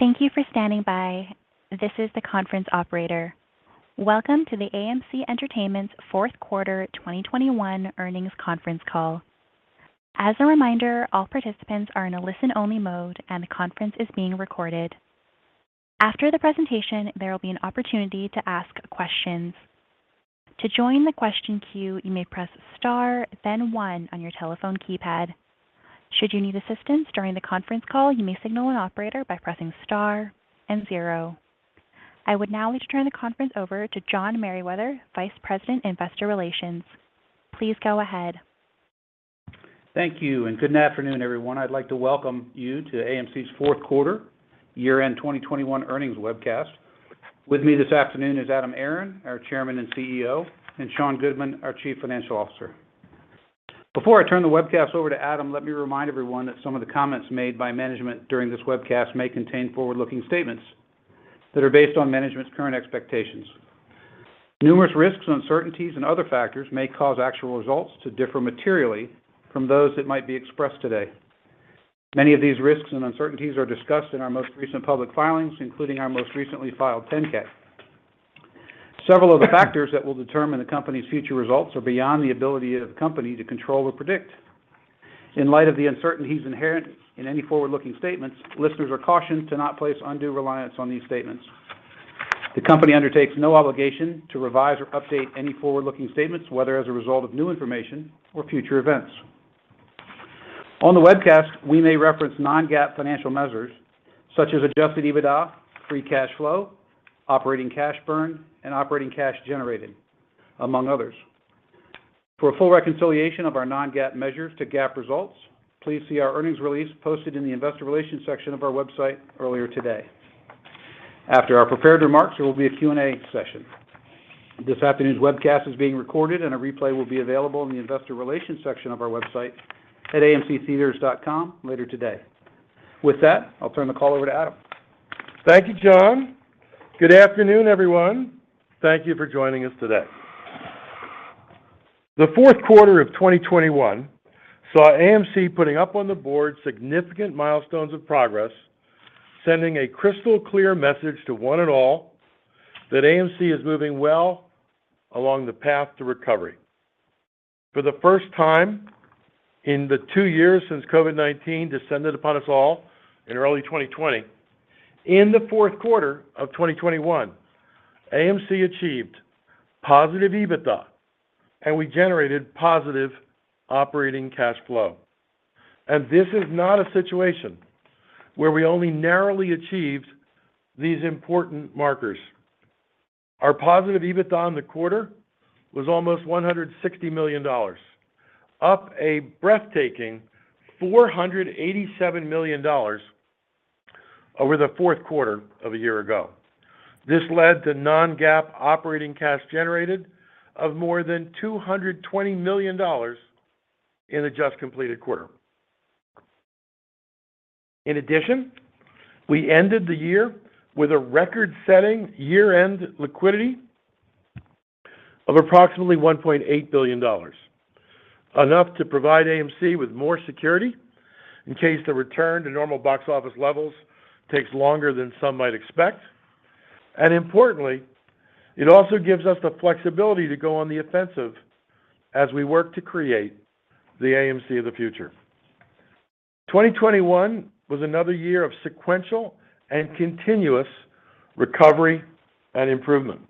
Thank you for standing by. This is the conference operator. Welcome to the AMC Entertainment's Fourth Quarter 2021 Earnings Conference Call. As a reminder, all participants are in a listen-only mode, and the conference is being recorded. After the presentation, there will be an opportunity to ask questions. To join the question queue, you may press star, then one on your telephone keypad. Should you need assistance during the conference call, you may signal an operator by pressing star and zero. I would now like to turn the conference over to John Merriwether, Vice President, Investor Relations. Please go ahead. Thank you, and good afternoon, everyone. I'd like to welcome you to AMC's Fourth Quarter Year-End 2021 Earnings Webcast. With me this afternoon is Adam Aron, our Chairman and CEO, and Sean Goodman, our Chief Financial Officer. Before I turn the webcast over to Adam, let me remind everyone that some of the comments made by management during this webcast may contain forward-looking statements that are based on management's current expectations. Numerous risks, uncertainties, and other factors may cause actual results to differ materially from those that might be expressed today. Many of these risks and uncertainties are discussed in our most recent public filings, including our most recently filed 10-K. Several of the factors that will determine the company's future results are beyond the ability of the company to control or predict. In light of the uncertainties inherent in any forward-looking statements, listeners are cautioned to not place undue reliance on these statements. The company undertakes no obligation to revise or update any forward-looking statements, whether as a result of new information or future events. On the webcast, we may reference non-GAAP financial measures such as adjusted EBITDA, free cash flow, operating cash burn, and operating cash generated, among others. For a full reconciliation of our non-GAAP measures to GAAP results, please see our earnings release posted in the investor relations section of our website earlier today. After our prepared remarks, there will be a Q&A session. This afternoon's webcast is being recorded, and a replay will be available in the investor relations section of our website at amctheatres.com later today. With that, I'll turn the call over to Adam. Thank you, John. Good afternoon, everyone. Thank you for joining us today. The fourth quarter of 2021 saw AMC putting up on the board significant milestones of progress, sending a crystal-clear message to one and all that AMC is moving well along the path to recovery. For the first time in the two years since COVID-19 descended upon us all in early 2020, in the fourth quarter of 2021, AMC achieved positive EBITDA, and we generated positive operating cash flow. This is not a situation where we only narrowly achieved these important markers. Our positive EBITDA on the quarter was almost $160 million, up a breathtaking $487 million over the fourth quarter of a year ago. This led to non-GAAP operating cash generated of more than $220 million in the just completed quarter. In addition, we ended the year with a record-setting year-end liquidity of approximately $1.8 billion, enough to provide AMC with more security in case the return to normal box office levels takes longer than some might expect. Importantly, it also gives us the flexibility to go on the offensive as we work to create the AMC of the future. 2021 was another year of sequential and continuous recovery and improvement.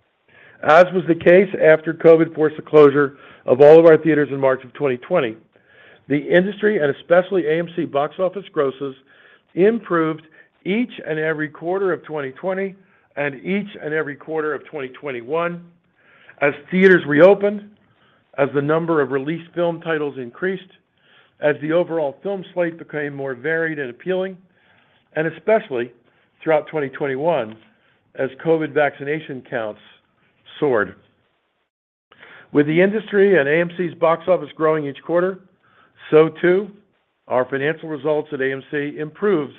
As was the case after COVID forced the closure of all of our theaters in March 2020, the industry and especially AMC box office grosses improved each and every quarter of 2020 and each and every quarter of 2021 as theaters reopened, as the number of released film titles increased, as the overall film slate became more varied and appealing, and especially throughout 2021 as COVID vaccination counts soared. With the industry and AMC's box office growing each quarter, so too our financial results at AMC improved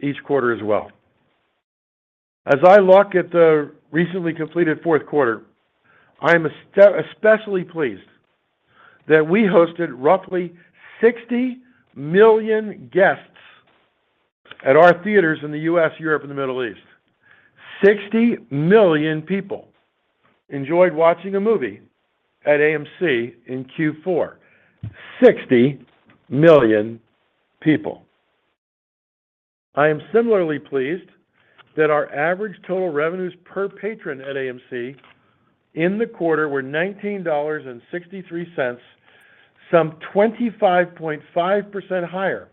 each quarter as well. As I look at the recently completed fourth quarter, I am especially pleased that we hosted roughly 60 million guests at our theaters in the U.S. Europe, and the Middle East. 60 million people enjoyed watching a movie at AMC in Q4. 60 million people. I am similarly pleased that our average total revenues per patron at AMC in the quarter were $19.63, some 25.5% higher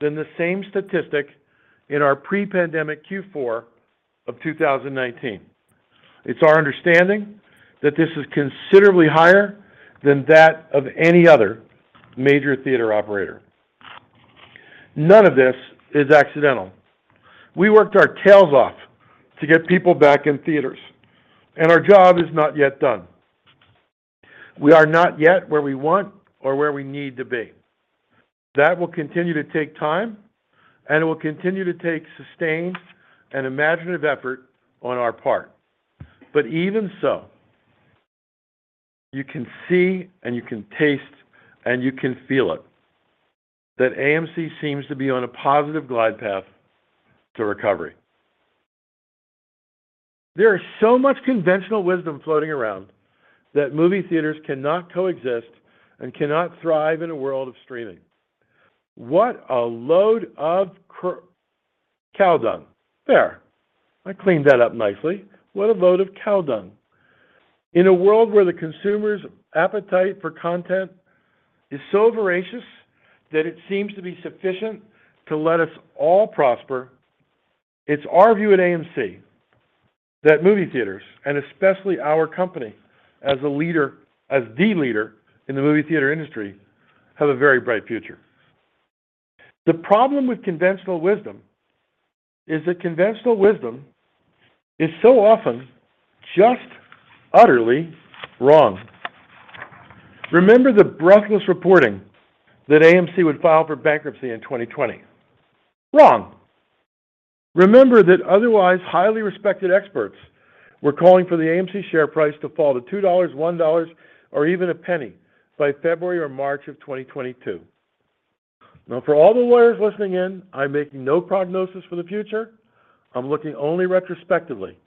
than the same statistic in our pre-pandemic Q4 of 2019. It's our understanding that this is considerably higher than that of any other major theater operator. None of this is accidental. We worked our tails off to get people back in theaters, and our job is not yet done. We are not yet where we want or where we need to be. That will continue to take time, and it will continue to take sustained and imaginative effort on our part. Even so, you can see and you can taste and you can feel it that AMC seems to be on a positive glide path to recovery. There is so much conventional wisdom floating around that movie theaters cannot coexist and cannot thrive in a world of streaming. What a load of cow dung. There, I cleaned that up nicely. What a load of cow dung. In a world where the consumer's appetite for content is so voracious that it seems to be sufficient to let us all prosper, it's our view at AMC that movie theaters, and especially our company as a leader, as the leader in the movie theater industry, have a very bright future. The problem with conventional wisdom is that conventional wisdom is so often just utterly wrong. Remember the breathless reporting that AMC would file for bankruptcy in 2020. Wrong. Remember that otherwise highly respected experts were calling for the AMC share price to fall to $2, $1, or even a penny by February or March of 2022. Now, for all the lawyers listening in, I'm making no prognosis for the future. I'm looking only retrospectively.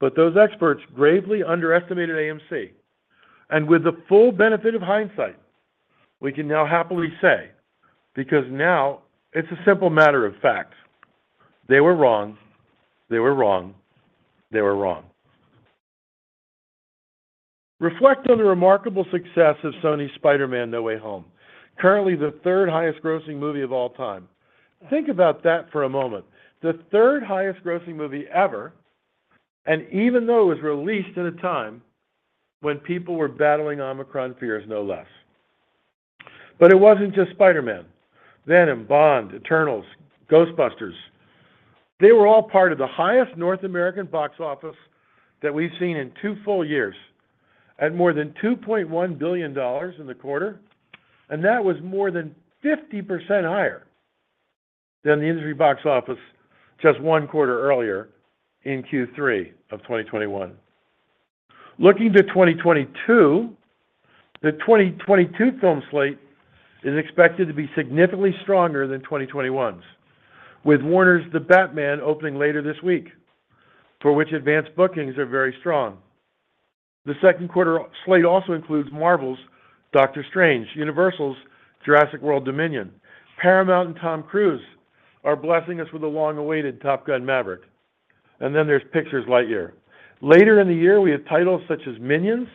Those experts gravely underestimated AMC, and with the full benefit of hindsight, we can now happily say, because now it's a simple matter of fact, they were wrong, they were wrong, they were wrong. Reflect on the remarkable success of Sony's Spider-Man: No Way Home, currently the third highest-grossing movie of all time. Think about that for a moment. The third highest grossing movie ever, and even though it was released at a time when people were battling Omicron fears, no less. It wasn't just Spider-Man. Venom, Bond, Eternals, Ghostbusters, they were all part of the highest North American box office that we've seen in two full years at more than $2.1 billion in the quarter, and that was more than 50% higher than the industry box office just one quarter earlier in Q3 of 2021. Looking to 2022, the 2022 film slate is expected to be significantly stronger than 2021's, with Warner's The Batman opening later this week, for which advanced bookings are very strong. The second quarter slate also includes Marvel's Doctor Strange, Universal's Jurassic World Dominion. Paramount and Tom Cruise are blessing us with the long-awaited Top Gun: Maverick. And then there's Pixar's Lightyear. Later in the year, we have titles such as Minions: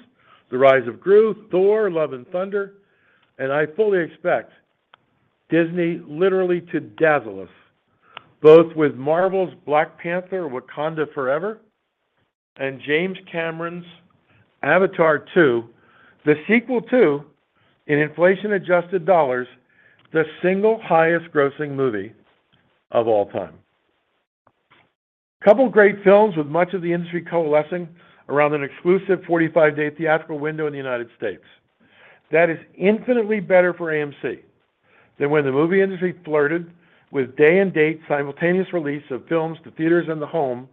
The Rise of Gru, Thor: Love and Thunder, and I fully expect Disney literally to dazzle us both with Marvel's Black Panther: Wakanda Forever and James Cameron's Avatar 2, the sequel to, in inflation-adjusted dollars, the single highest grossing movie of all time. Couple great films with much of the industry coalescing around an exclusive 45-day theatrical window in the United States. That is infinitely better for AMC than when the movie industry flirted with day-and-date simultaneous release of films to theaters and the home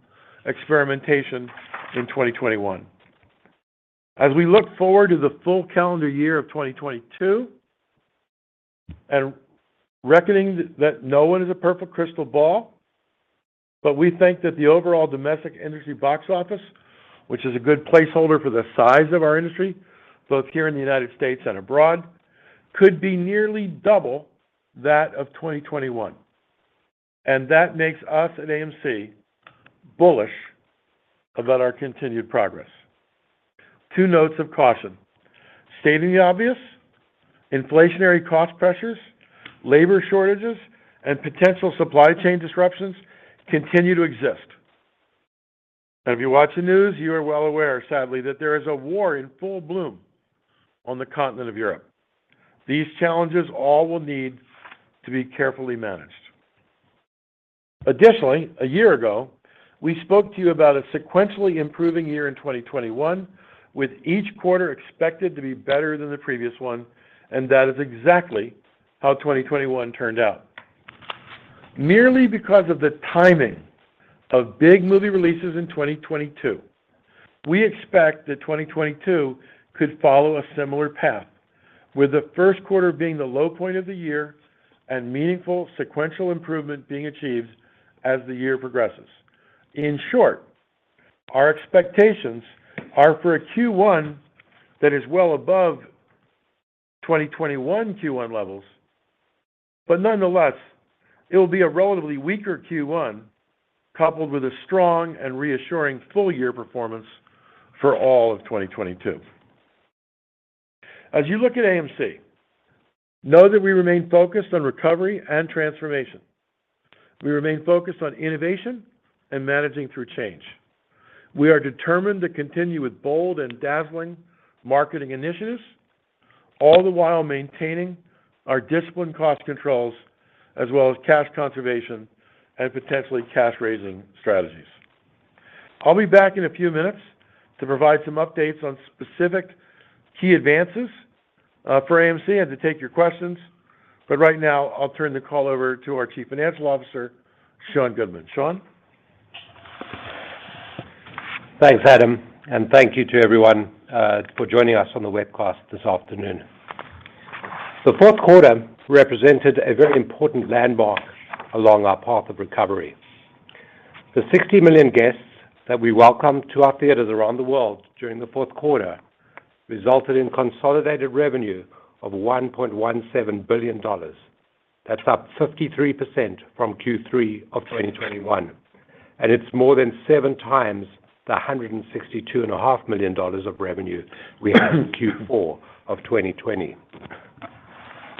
experimentation in 2021. As we look forward to the full calendar year of 2022, reckoning that no one has a perfect crystal ball, but we think that the overall domestic industry box office, which is a good placeholder for the size of our industry, both here in the United States and abroad, could be nearly double that of 2021. That makes us at AMC bullish about our continued progress. Two notes of caution. Stating the obvious, inflationary cost pressures, labor shortages, and potential supply chain disruptions continue to exist. If you watch the news, you are well aware, sadly, that there is a war in full bloom on the continent of Europe. These challenges all will need to be carefully managed. Additionally, a year ago, we spoke to you about a sequentially improving year in 2021, with each quarter expected to be better than the previous one, and that is exactly how 2021 turned out. Merely because of the timing of big movie releases in 2022, we expect that 2022 could follow a similar path, with the first quarter being the low point of the year and meaningful sequential improvement being achieved as the year progresses. In short, our expectations are for a Q1 that is well above 2021 Q1 levels, but nonetheless, it will be a relatively weaker Q1 coupled with a strong and reassuring full-year performance for all of 2022. As you look at AMC, know that we remain focused on recovery and transformation. We remain focused on innovation and managing through change. We are determined to continue with bold and dazzling marketing initiatives, all the while maintaining our disciplined cost controls as well as cash conservation and potentially cash-raising strategies. I'll be back in a few minutes to provide some updates on specific key advances for AMC and to take your questions, but right now I'll turn the call over to our Chief Financial Officer, Sean Goodman. Sean? Thanks, Adam, and thank you to everyone for joining us on the webcast this afternoon. The fourth quarter represented a very important landmark along our path of recovery. The 60 million guests that we welcomed to our theaters around the world during the fourth quarter resulted in consolidated revenue of $1.17 billion. That's up 53% from Q3 of 2021, and it's more than 7x the $162.5 million of revenue we had in Q4 of 2020.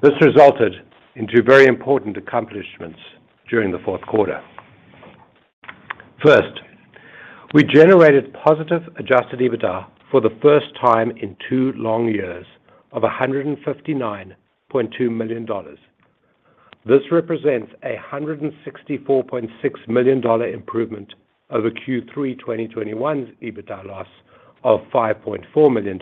This resulted in two very important accomplishments during the fourth quarter. First, we generated positive adjusted EBITDA for the first time in two long years of $159.2 million. This represents a $164.6 million improvement over Q3 2021's EBITDA loss of $5.4 million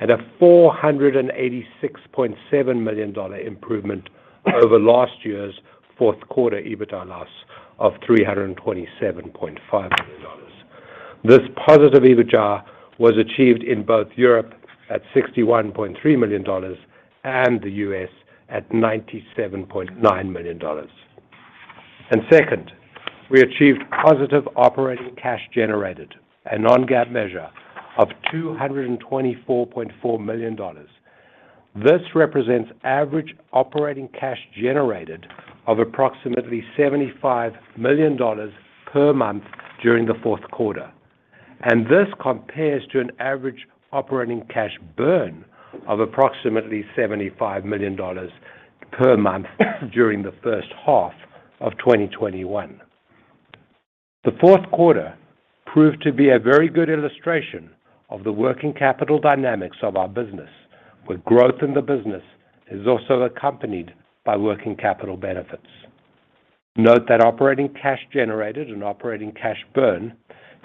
and a $486.7 million improvement over last year's fourth quarter EBITDA loss of $327.5 million. This positive EBITDA was achieved in both Europe at $61.3 million and the U.S. at $97.9 million. Second, we achieved positive operating cash generated, a non-GAAP measure of $224.4 million. This represents average operating cash generated of approximately $75 million per month during the fourth quarter. This compares to an average operating cash burn of approximately $75 million per month during the first half of 2021. The fourth quarter proved to be a very good illustration of the working capital dynamics of our business, where growth in the business is also accompanied by working capital benefits. Note that operating cash generated and operating cash burn,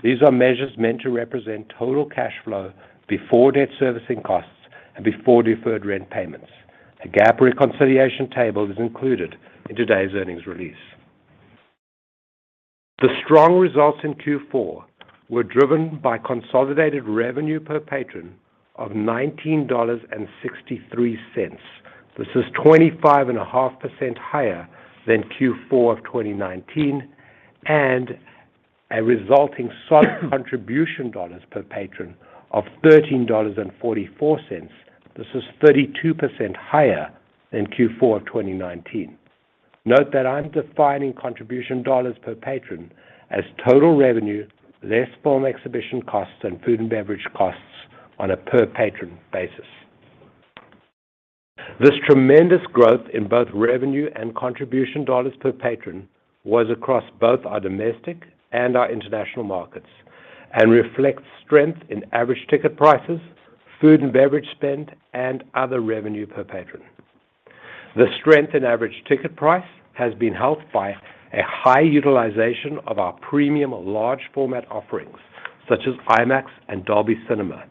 these are measures meant to represent total cash flow before debt servicing costs and before deferred rent payments. A GAAP reconciliation table is included in today's earnings release. The strong results in Q4 were driven by consolidated revenue per patron of $19.63. This is 25.5% higher than Q4 of 2019, and a resulting solid contribution dollars per patron of $13.44. This is 32% higher than Q4 of 2019. Note that I'm defining contribution dollars per patron as total revenue less film exhibition costs and food and beverage costs on a per patron basis. This tremendous growth in both revenue and contribution dollars per patron was across both our domestic and our international markets and reflects strength in average ticket prices, food and beverage spend, and other revenue per patron. The strength in average ticket price has been helped by a high utilization of our premium large format offerings such as IMAX and Dolby Cinema.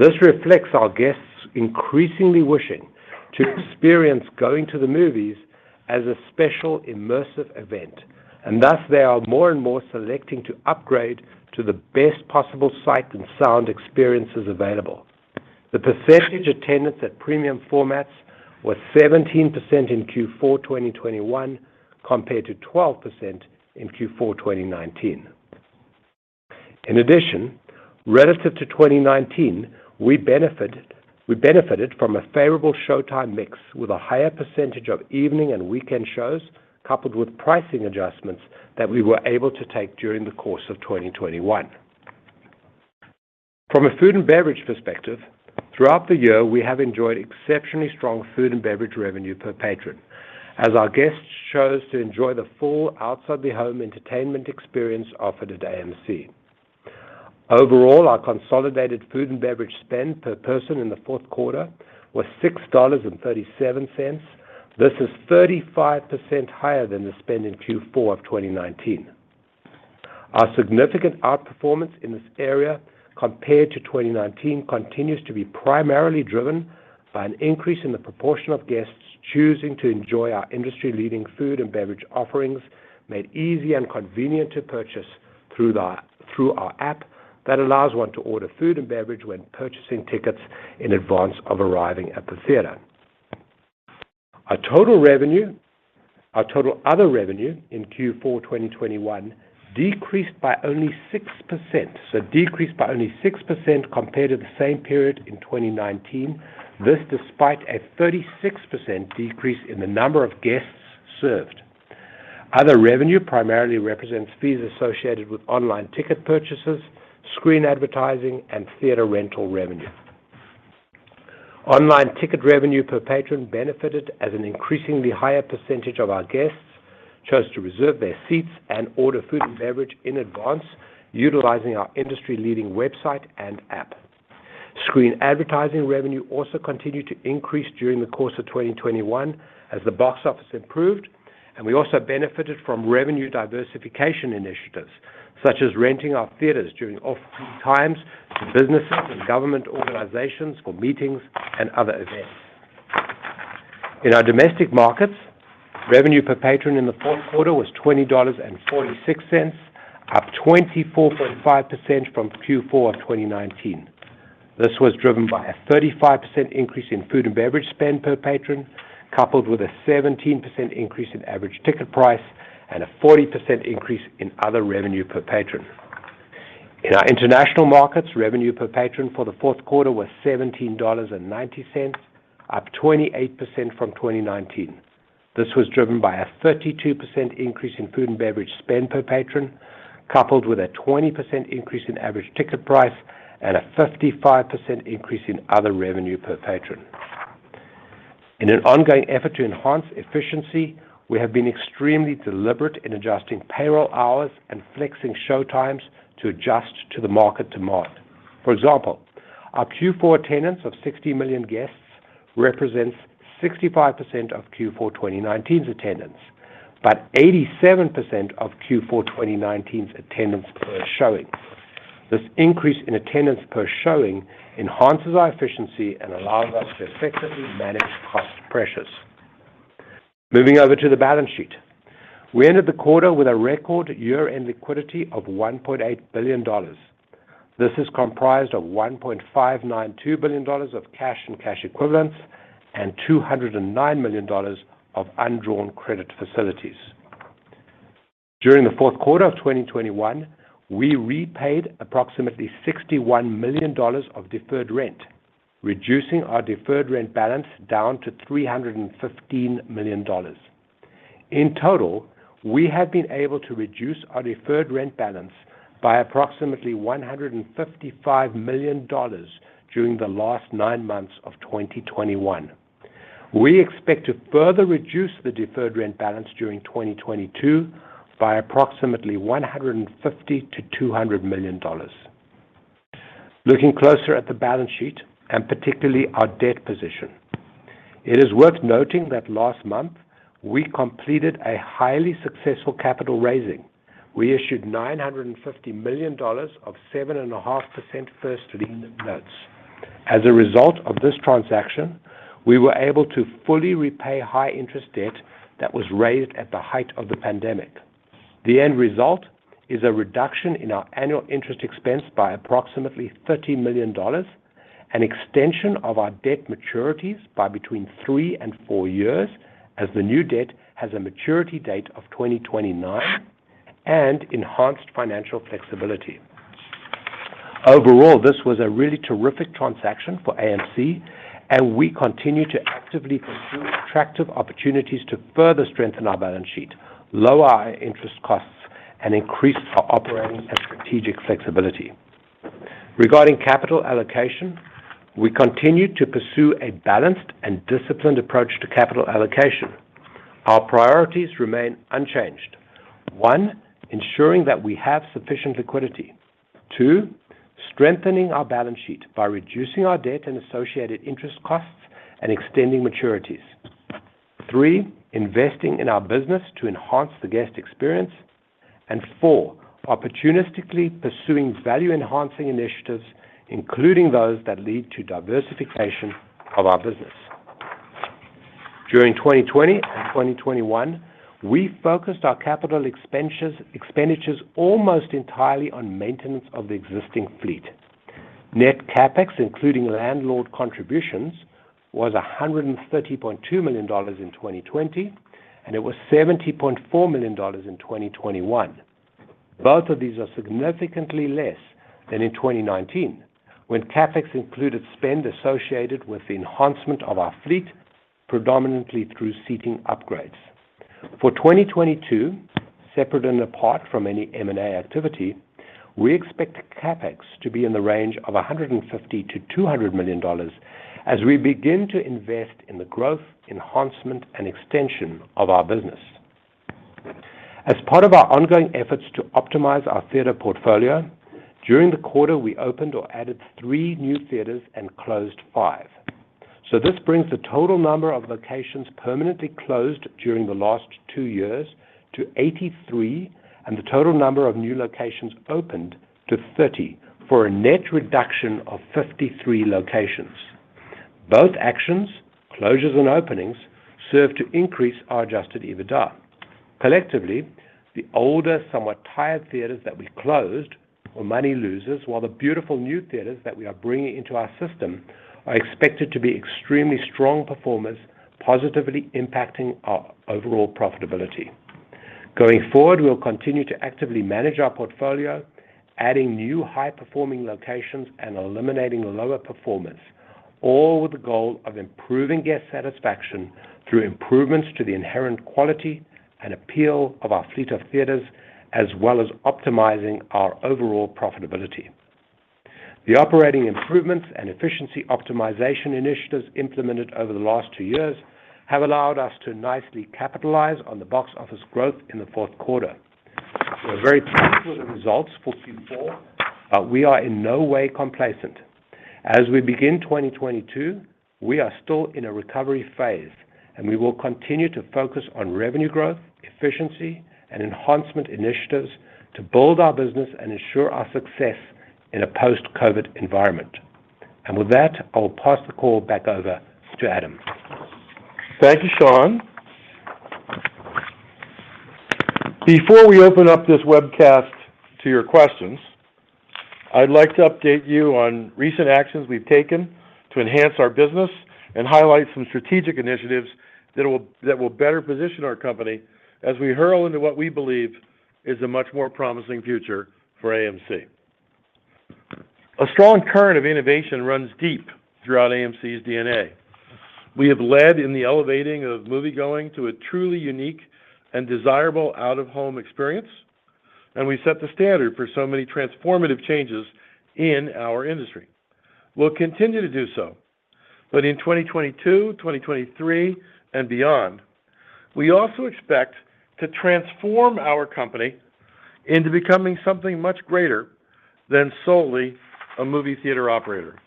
This reflects our guests increasingly wishing to experience going to the movies as a special immersive event, and thus they are more and more selecting to upgrade to the best possible sight and sound experiences available. The percentage attendance at premium formats was 17% in Q4 2021 compared to 12% in Q4 2019. In addition, relative to 2019, we benefited from a favorable showtime mix with a higher percentage of evening and weekend shows, coupled with pricing adjustments that we were able to take during the course of 2021. From a food and beverage perspective, throughout the year, we have enjoyed exceptionally strong food and beverage revenue per patron as our guests chose to enjoy the full outside-the-home entertainment experience offered at AMC. Overall, our consolidated food and beverage spend per person in the fourth quarter was $6.37. This is 35% higher than the spend in Q4 of 2019. Our significant outperformance in this area compared to 2019 continues to be primarily driven by an increase in the proportion of guests choosing to enjoy our industry-leading food and beverage offerings, made easy and convenient to purchase through our app that allows one to order food and beverage when purchasing tickets in advance of arriving at the theater. Our total other revenue in Q4 2021 decreased by only 6%, compared to the same period in 2019. This despite a 36% decrease in the number of guests served. Other revenue primarily represents fees associated with online ticket purchases, screen advertising, and theater rental revenue. Online ticket revenue per patron benefited as an increasingly higher percentage of our guests chose to reserve their seats and order food and beverage in advance utilizing our industry-leading website and app. Screen advertising revenue also continued to increase during the course of 2021 as the box office improved, and we also benefited from revenue diversification initiatives such as renting our theaters during off-peak times to businesses and government organizations for meetings and other events. In our domestic markets, revenue per patron in the fourth quarter was $20.46, up 24.5% from Q4 of 2019. This was driven by a 35% increase in food and beverage spend per patron, coupled with a 17% increase in average ticket price and a 40% increase in other revenue per patron. In our international markets, revenue per patron for the fourth quarter was $17.90, up 28% from 2019. This was driven by a 32% increase in food and beverage spend per patron, coupled with a 20% increase in average ticket price and a 55% increase in other revenue per patron. In an ongoing effort to enhance efficiency, we have been extremely deliberate in adjusting payroll hours and flexing showtimes to adjust to the market demand. For example, our Q4 attendance of 60 million guests represents 65% of Q4 2019's attendance, but 87% of Q4 2019's attendance per showing. This increase in attendance per showing enhances our efficiency and allows us to effectively manage cost pressures. Moving over to the balance sheet. We ended the quarter with a record year-end liquidity of $1.8 billion. This is comprised of $1.592 billion of cash and cash equivalents and $209 million of undrawn credit facilities. During the fourth quarter of 2021, we repaid approximately $61 million of deferred rent, reducing our deferred rent balance down to $315 million. In total, we have been able to reduce our deferred rent balance by approximately $155 million during the last nine months of 2021. We expect to further reduce the deferred rent balance during 2022 by approximately $150 million-$200 million. Looking closer at the balance sheet, and particularly our debt position, it is worth noting that last month we completed a highly successful capital raising. We issued $950 million of 7.5% first lien notes. As a result of this transaction, we were able to fully repay high interest debt that was raised at the height of the pandemic. The end result is a reduction in our annual interest expense by approximately $30 million, an extension of our debt maturities by between three and four years, as the new debt has a maturity date of 2029, and enhanced financial flexibility. Overall, this was a really terrific transaction for AMC, and we continue to actively pursue attractive opportunities to further strengthen our balance sheet, lower our interest costs, and increase our operating and strategic flexibility. Regarding capital allocation, we continue to pursue a balanced and disciplined approach to capital allocation. Our priorities remain unchanged. One, ensuring that we have sufficient liquidity. Two, strengthening our balance sheet by reducing our debt and associated interest costs and extending maturities. Three, investing in our business to enhance the guest experience. Four, opportunistically pursuing value-enhancing initiatives, including those that lead to diversification of our business. During 2020 and 2021, we focused our capital expenditures almost entirely on maintenance of the existing fleet. Net CapEx, including landlord contributions, was $130.2 million in 2020, and it was $70.4 million in 2021. Both of these are significantly less than in 2019, when CapEx included spend associated with the enhancement of our fleet, predominantly through seating upgrades. For 2022, separate and apart from any M&A activity, we expect CapEx to be in the range of $150 million-$200 million as we begin to invest in the growth, enhancement, and extension of our business. As part of our ongoing efforts to optimize our theater portfolio, during the quarter we opened or added three new theaters and closed five. This brings the total number of locations permanently closed during the last two years to 83 and the total number of new locations opened to 30, for a net reduction of 53 locations. Both actions, closures and openings, serve to increase our adjusted EBITDA. Collectively, the older, somewhat tired theaters that we closed were money losers, while the beautiful new theaters that we are bringing into our system are expected to be extremely strong performers, positively impacting our overall profitability. Going forward, we'll continue to actively manage our portfolio, adding new high-performing locations and eliminating lower performers, all with the goal of improving guest satisfaction through improvements to the inherent quality and appeal of our fleet of theaters, as well as optimizing our overall profitability. The operating improvements and efficiency optimization initiatives implemented over the last two years have allowed us to nicely capitalize on the box office growth in the fourth quarter. We're very pleased with the results for Q4, but we are in no way complacent. As we begin 2022, we are still in a recovery phase, and we will continue to focus on revenue growth, efficiency, and enhancement initiatives to build our business and ensure our success in a post-COVID environment. With that, I'll pass the call back over to Adam. Thank you, Sean. Before we open up this webcast to your questions, I'd like to update you on recent actions we've taken to enhance our business and highlight some strategic initiatives that will better position our company as we hurtle into what we believe is a much more promising future for AMC. A strong current of innovation runs deep throughout AMC's DNA. We have led in the elevating of moviegoing to a truly unique and desirable out-of-home experience, and we set the standard for so many transformative changes in our industry. We'll continue to do so, but in 2022, 2023 and beyond, we also expect to transform our company into becoming something much greater than solely a movie theater operator.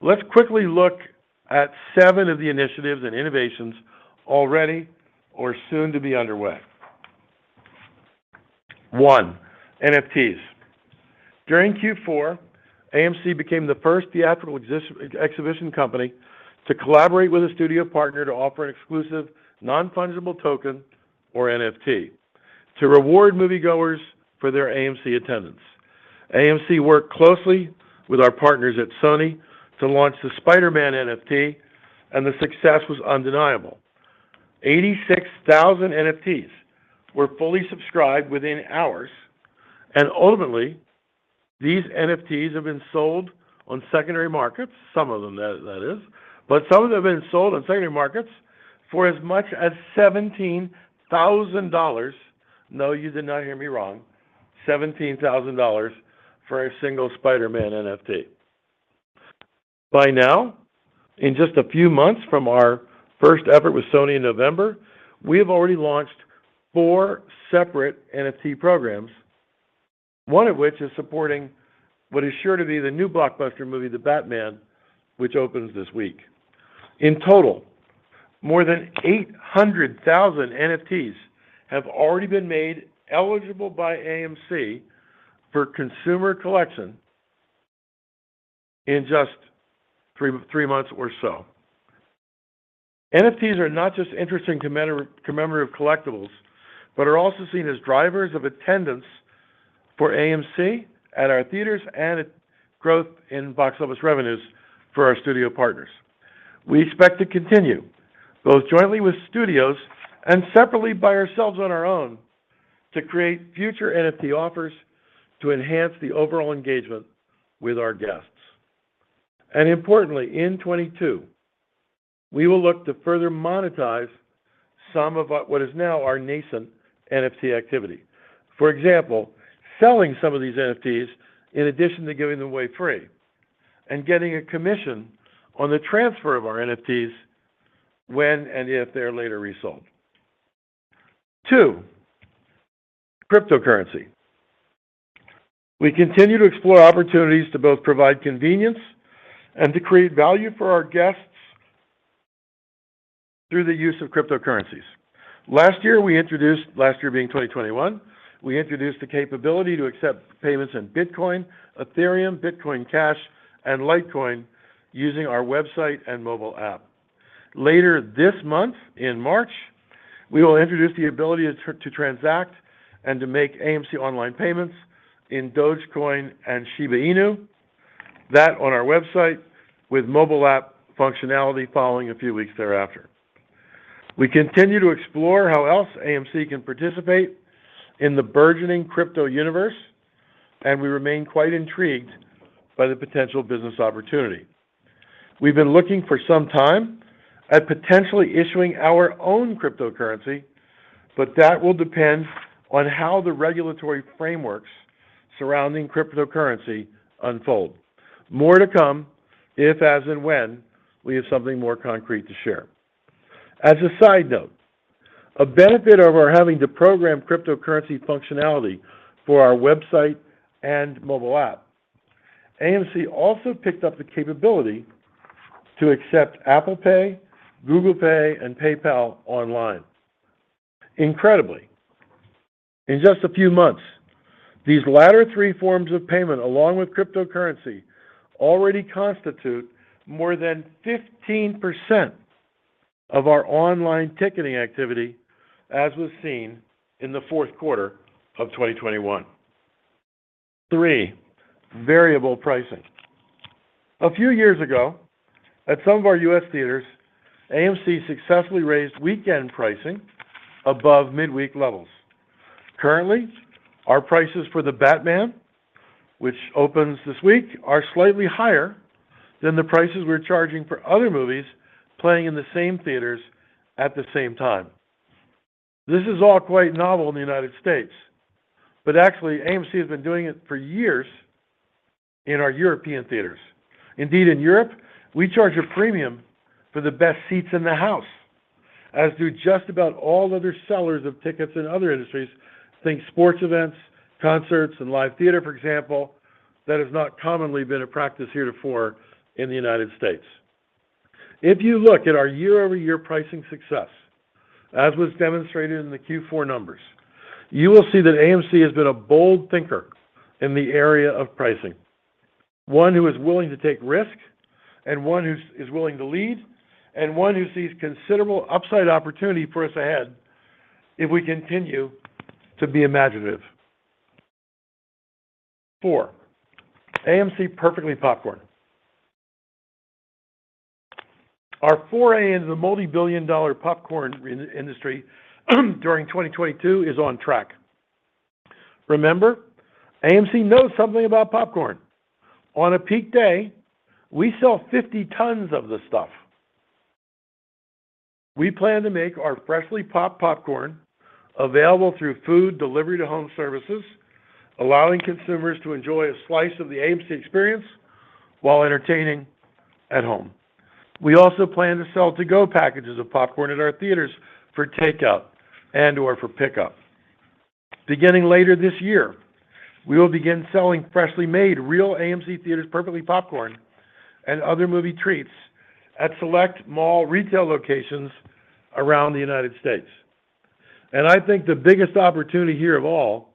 Let's quickly look at seven of the initiatives and innovations already or soon to be underway. One, NFTs. During Q4, AMC became the first theatrical exhibition company to collaborate with a studio partner to offer an exclusive non-fungible token or NFT to reward moviegoers for their AMC attendance. AMC worked closely with our partners at Sony to launch the Spider-Man NFT, and the success was undeniable. 86,000 NFTs were fully subscribed within hours, and ultimately, these NFTs have been sold on secondary markets, some of them, that is. But some of them have been sold on secondary markets for as much as $17,000. No, you did not hear me wrong. $17,000 for a single Spider-Man NFT. By now, in just a few months from our first effort with Sony in November, we have already launched four separate NFT programs, one of which is supporting what is sure to be the new blockbuster movie, The Batman, which opens this week. In total, more than 800,000 NFTs have already been made eligible by AMC for consumer collection in just three months or so. NFTs are not just interesting commemorative collectibles, but are also seen as drivers of attendance for AMC at our theaters and a growth in box office revenues for our studio partners. We expect to continue, both jointly with studios and separately by ourselves on our own, to create future NFT offers to enhance the overall engagement with our guests. Importantly, in 2022, we will look to further monetize some of our what is now our nascent NFT activity. For example, selling some of these NFTs in addition to giving them away free and getting a commission on the transfer of our NFTs when and if they're later resold. two, cryptocurrency. We continue to explore opportunities to both provide convenience and to create value for our guests through the use of cryptocurrencies. Last year, being 2021, we introduced the capability to accept payments in Bitcoin, Ethereum, Bitcoin Cash, and Litecoin using our website and mobile app. Later this month, in March, we will introduce the ability to transact and to make AMC online payments in Dogecoin and Shiba Inu. That on our website with mobile app functionality following a few weeks thereafter. We continue to explore how else AMC can participate in the burgeoning crypto universe, and we remain quite intrigued by the potential business opportunity. We've been looking for some time at potentially issuing our own cryptocurrency, but that will depend on how the regulatory frameworks surrounding cryptocurrency unfold. More to come if, as and when we have something more concrete to share. As a side note, a benefit of our having to program cryptocurrency functionality for our website and mobile app. AMC also picked up the capability to accept Apple Pay, Google Pay, and PayPal online. Incredibly, in just a few months, these latter three forms of payment, along with cryptocurrency, already constitute more than 15% of our online ticketing activity, as was seen in the fourth quarter of 2021. Three, variable pricing. A few years ago, at some of our U.S. theaters, AMC successfully raised weekend pricing above midweek levels. Currently, our prices for The Batman, which opens this week, are slightly higher than the prices we're charging for other movies playing in the same theaters at the same time. This is all quite novel in the United States, but actually AMC has been doing it for years in our European theaters. Indeed, in Europe, we charge a premium for the best seats in the house, as do just about all other sellers of tickets in other industries. Think sports events, concerts, and live theater, for example, that has not commonly been a practice heretofore in the United States. If you look at our year-over-year pricing success, as was demonstrated in the Q4 numbers, you will see that AMC has been a bold thinker in the area of pricing. One who is willing to take risk and one who's willing to lead, and one who sees considerable upside opportunity for us ahead if we continue to be imaginative. Four, AMC Perfectly Popcorn. Our foray into the multi-billion dollar popcorn industry during 2022 is on track. Remember, AMC knows something about popcorn. On a peak day, we sell 50 tons of the stuff. We plan to make our freshly popped popcorn available through food delivery to home services, allowing consumers to enjoy a slice of the AMC experience while entertaining at home. We also plan to sell to-go packages of popcorn at our theaters for takeout and/or for pickup. Beginning later this year, we will begin selling freshly made real AMC Theatres Perfectly Popcorn and other movie treats at select mall retail locations around the United States. I think the biggest opportunity here of all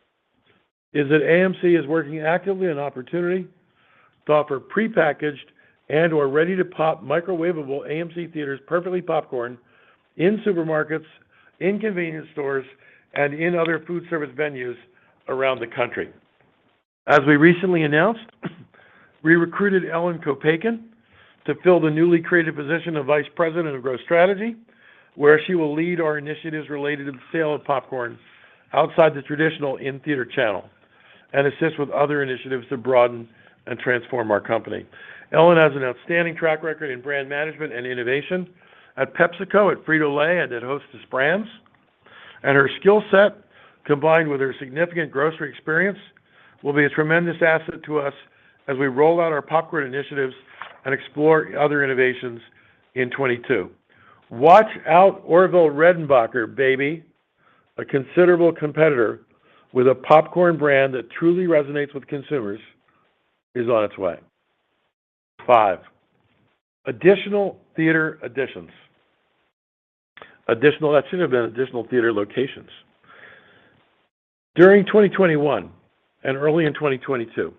is that AMC is working actively on opportunity to offer prepackaged and/or ready-to-pop microwavable AMC Theatres Perfectly Popcorn in supermarkets, in convenience stores, and in other food service venues around the country. As we recently announced, we recruited Ellen Copaken to fill the newly created position of Vice President of Growth Strategy, where she will lead our initiatives related to the sale of popcorn outside the traditional in-theater channel and assist with other initiatives to broaden and transform our company. Ellen has an outstanding track record in brand management and innovation at PepsiCo, at Frito-Lay, and at Hostess Brands. Her skill set, combined with her significant grocery experience, will be a tremendous asset to us as we roll out our popcorn initiatives and explore other innovations in 2022. Watch out Orville Redenbacher, baby. A considerable competitor with a popcorn brand that truly resonates with consumers is on its way. additional theater locations. During 2021 and early in 2022,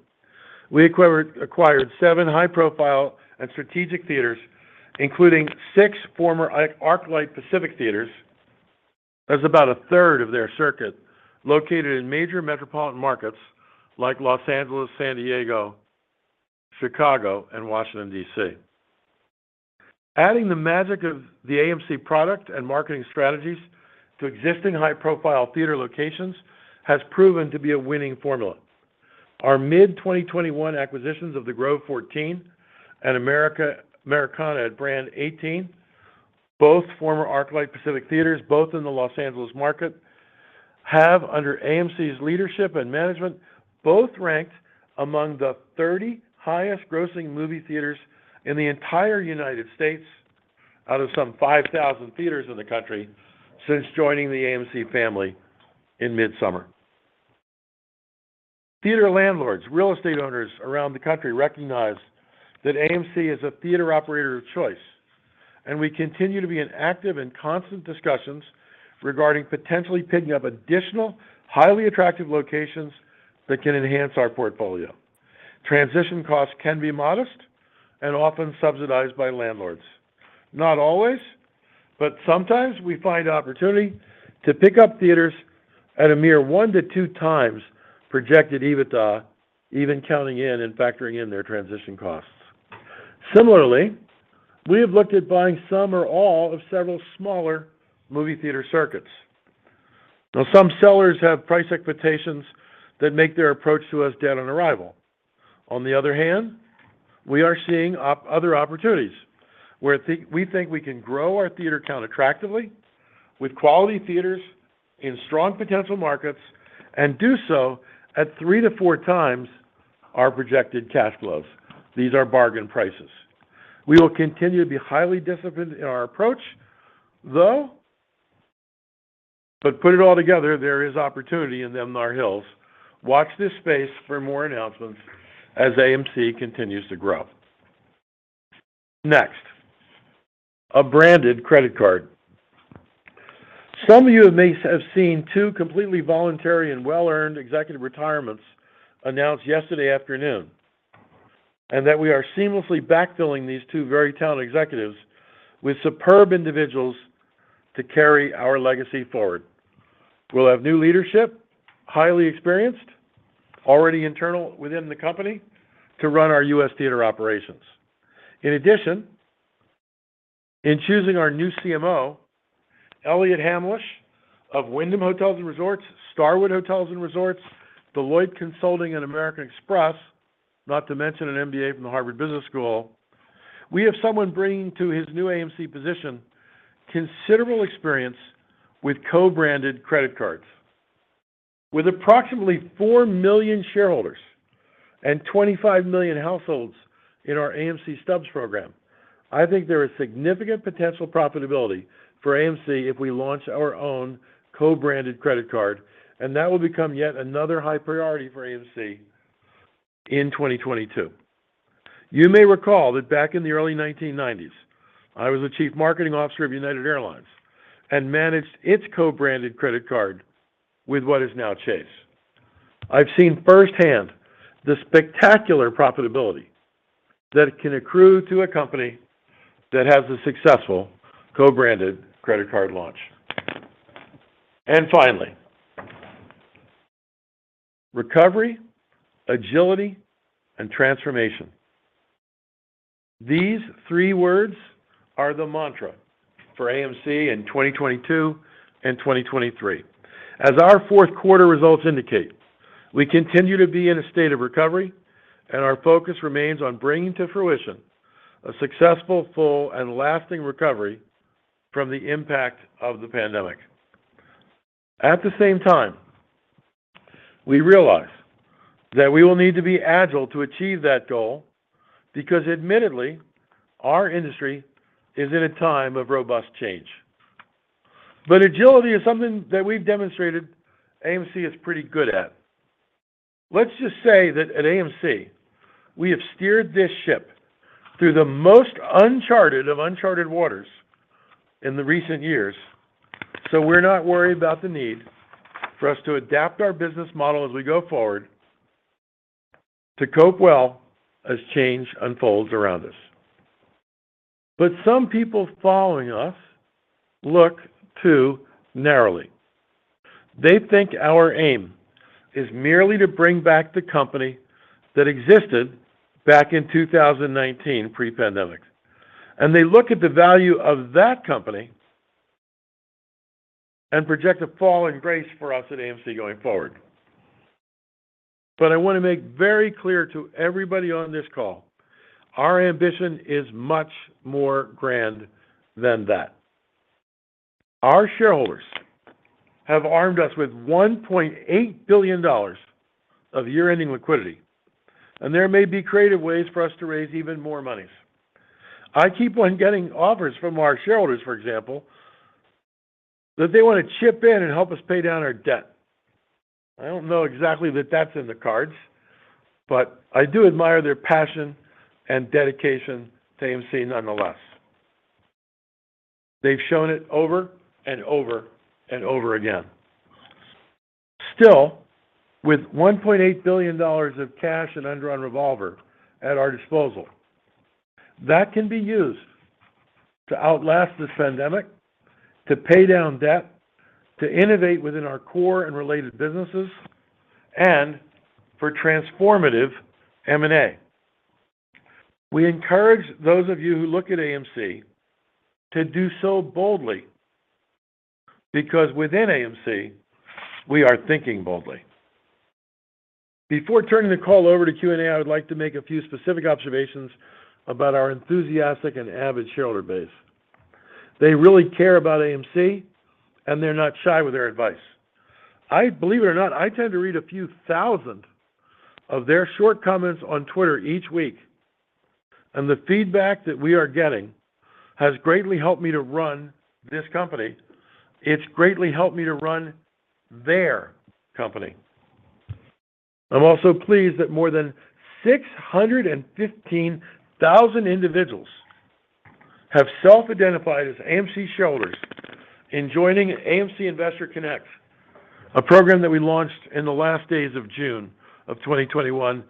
we acquired seven high-profile and strategic theaters, including six former ArcLight Pacific Theatres. That's about a third of their circuit located in major metropolitan markets like Los Angeles, San Diego, Chicago, and Washington, D.C. Adding the magic of the AMC product and marketing strategies to existing high-profile theater locations has proven to be a winning formula. Our mid-2021 acquisitions of the Grove 14 and Americana at Brand 18, both former ArcLight Pacific Theatres, both in the Los Angeles market, have under AMC's leadership and management, both ranked among the 30 highest grossing movie theaters in the entire United States out of some 5,000 theaters in the country since joining the AMC family in midsummer. Theater landlords, real estate owners around the country recognize that AMC is a theater operator of choice, and we continue to be in active and constant discussions regarding potentially picking up additional highly attractive locations that can enhance our portfolio. Transition costs can be modest and often subsidized by landlords. Not always, but sometimes we find opportunity to pick up theaters at a mere 1x-2x times projected EBITDA, even counting in and factoring in their transition costs. Similarly, we have looked at buying some or all of several smaller movie theater circuits. Now some sellers have price expectations that make their approach to us dead on arrival. On the other hand, we are seeing other opportunities where we think we can grow our theater count attractively with quality theaters in strong potential markets and do so at 3x-4x times our projected cash flows. These are bargain prices. We will continue to be highly disciplined in our approach, though. Put it all together, there is opportunity in them there hills. Watch this space for more announcements as AMC continues to grow. Next, a branded credit card. Some of you may have seen two completely voluntary and well-earned executive retirements announced yesterday afternoon, and that we are seamlessly backfilling these two very talented executives with superb individuals to carry our legacy forward. We'll have new leadership, highly experienced, already internal within the company to run our U.S. theater operations. In addition, in choosing our new CMO, Eliot Hamlisch of Wyndham Hotels & Resorts, Starwood Hotels and Resorts, Deloitte Consulting, and American Express, not to mention an MBA from the Harvard Business School, we have someone bringing to his new AMC position considerable experience with co-branded credit cards. With approximately 4 million shareholders and 25 million households in our AMC Stubs program, I think there is significant potential profitability for AMC if we launch our own co-branded credit card, and that will become yet another high priority for AMC in 2022. You may recall that back in the early 1990s, I was the chief marketing officer of United Airlines and managed its co-branded credit card with what is now Chase. I've seen firsthand the spectacular profitability that can accrue to a company that has a successful co-branded credit card launch. Finally, recovery, agility, and transformation. These three words are the mantra for AMC in 2022 and 2023. As our fourth quarter results indicate, we continue to be in a state of recovery, and our focus remains on bringing to fruition a successful, full, and lasting recovery from the impact of the pandemic. At the same time, we realize that we will need to be agile to achieve that goal because admittedly, our industry is in a time of robust change. Agility is something that we've demonstrated AMC is pretty good at. Let's just say that at AMC, we have steered this ship through the most uncharted of uncharted waters in the recent years. We're not worried about the need for us to adapt our business model as we go forward to cope well as change unfolds around us. Some people following us look too narrowly. They think our aim is merely to bring back the company that existed back in 2019 pre-pandemic. They look at the value of that company and project a fall in grace for us at AMC going forward. I want to make very clear to everybody on this call, our ambition is much more grand than that. Our shareholders have armed us with $1.8 billion of year-ending liquidity, and there may be creative ways for us to raise even more monies. I keep on getting offers from our shareholders, for example, that they want to chip in and help us pay down our debt. I don't know exactly that that's in the cards, but I do admire their passion and dedication to AMC nonetheless. They've shown it over and over and over again. Still, with $1.8 billion of cash and undrawn revolver at our disposal, that can be used to outlast this pandemic, to pay down debt, to innovate within our core and related businesses, and for transformative M&A. We encourage those of you who look at AMC to do so boldly because within AMC, we are thinking boldly. Before turning the call over to Q&A, I would like to make a few specific observations about our enthusiastic and avid shareholder base. They really care about AMC, and they're not shy with their advice. I believe it or not, I tend to read a few thousand of their short comments on Twitter each week, and the feedback that we are getting has greatly helped me to run this company. It's greatly helped me to run their company. I'm also pleased that more than 615,000 individuals have self-identified as AMC shareholders in joining AMC Investor Connect, a program that we launched in the last days of June 2021.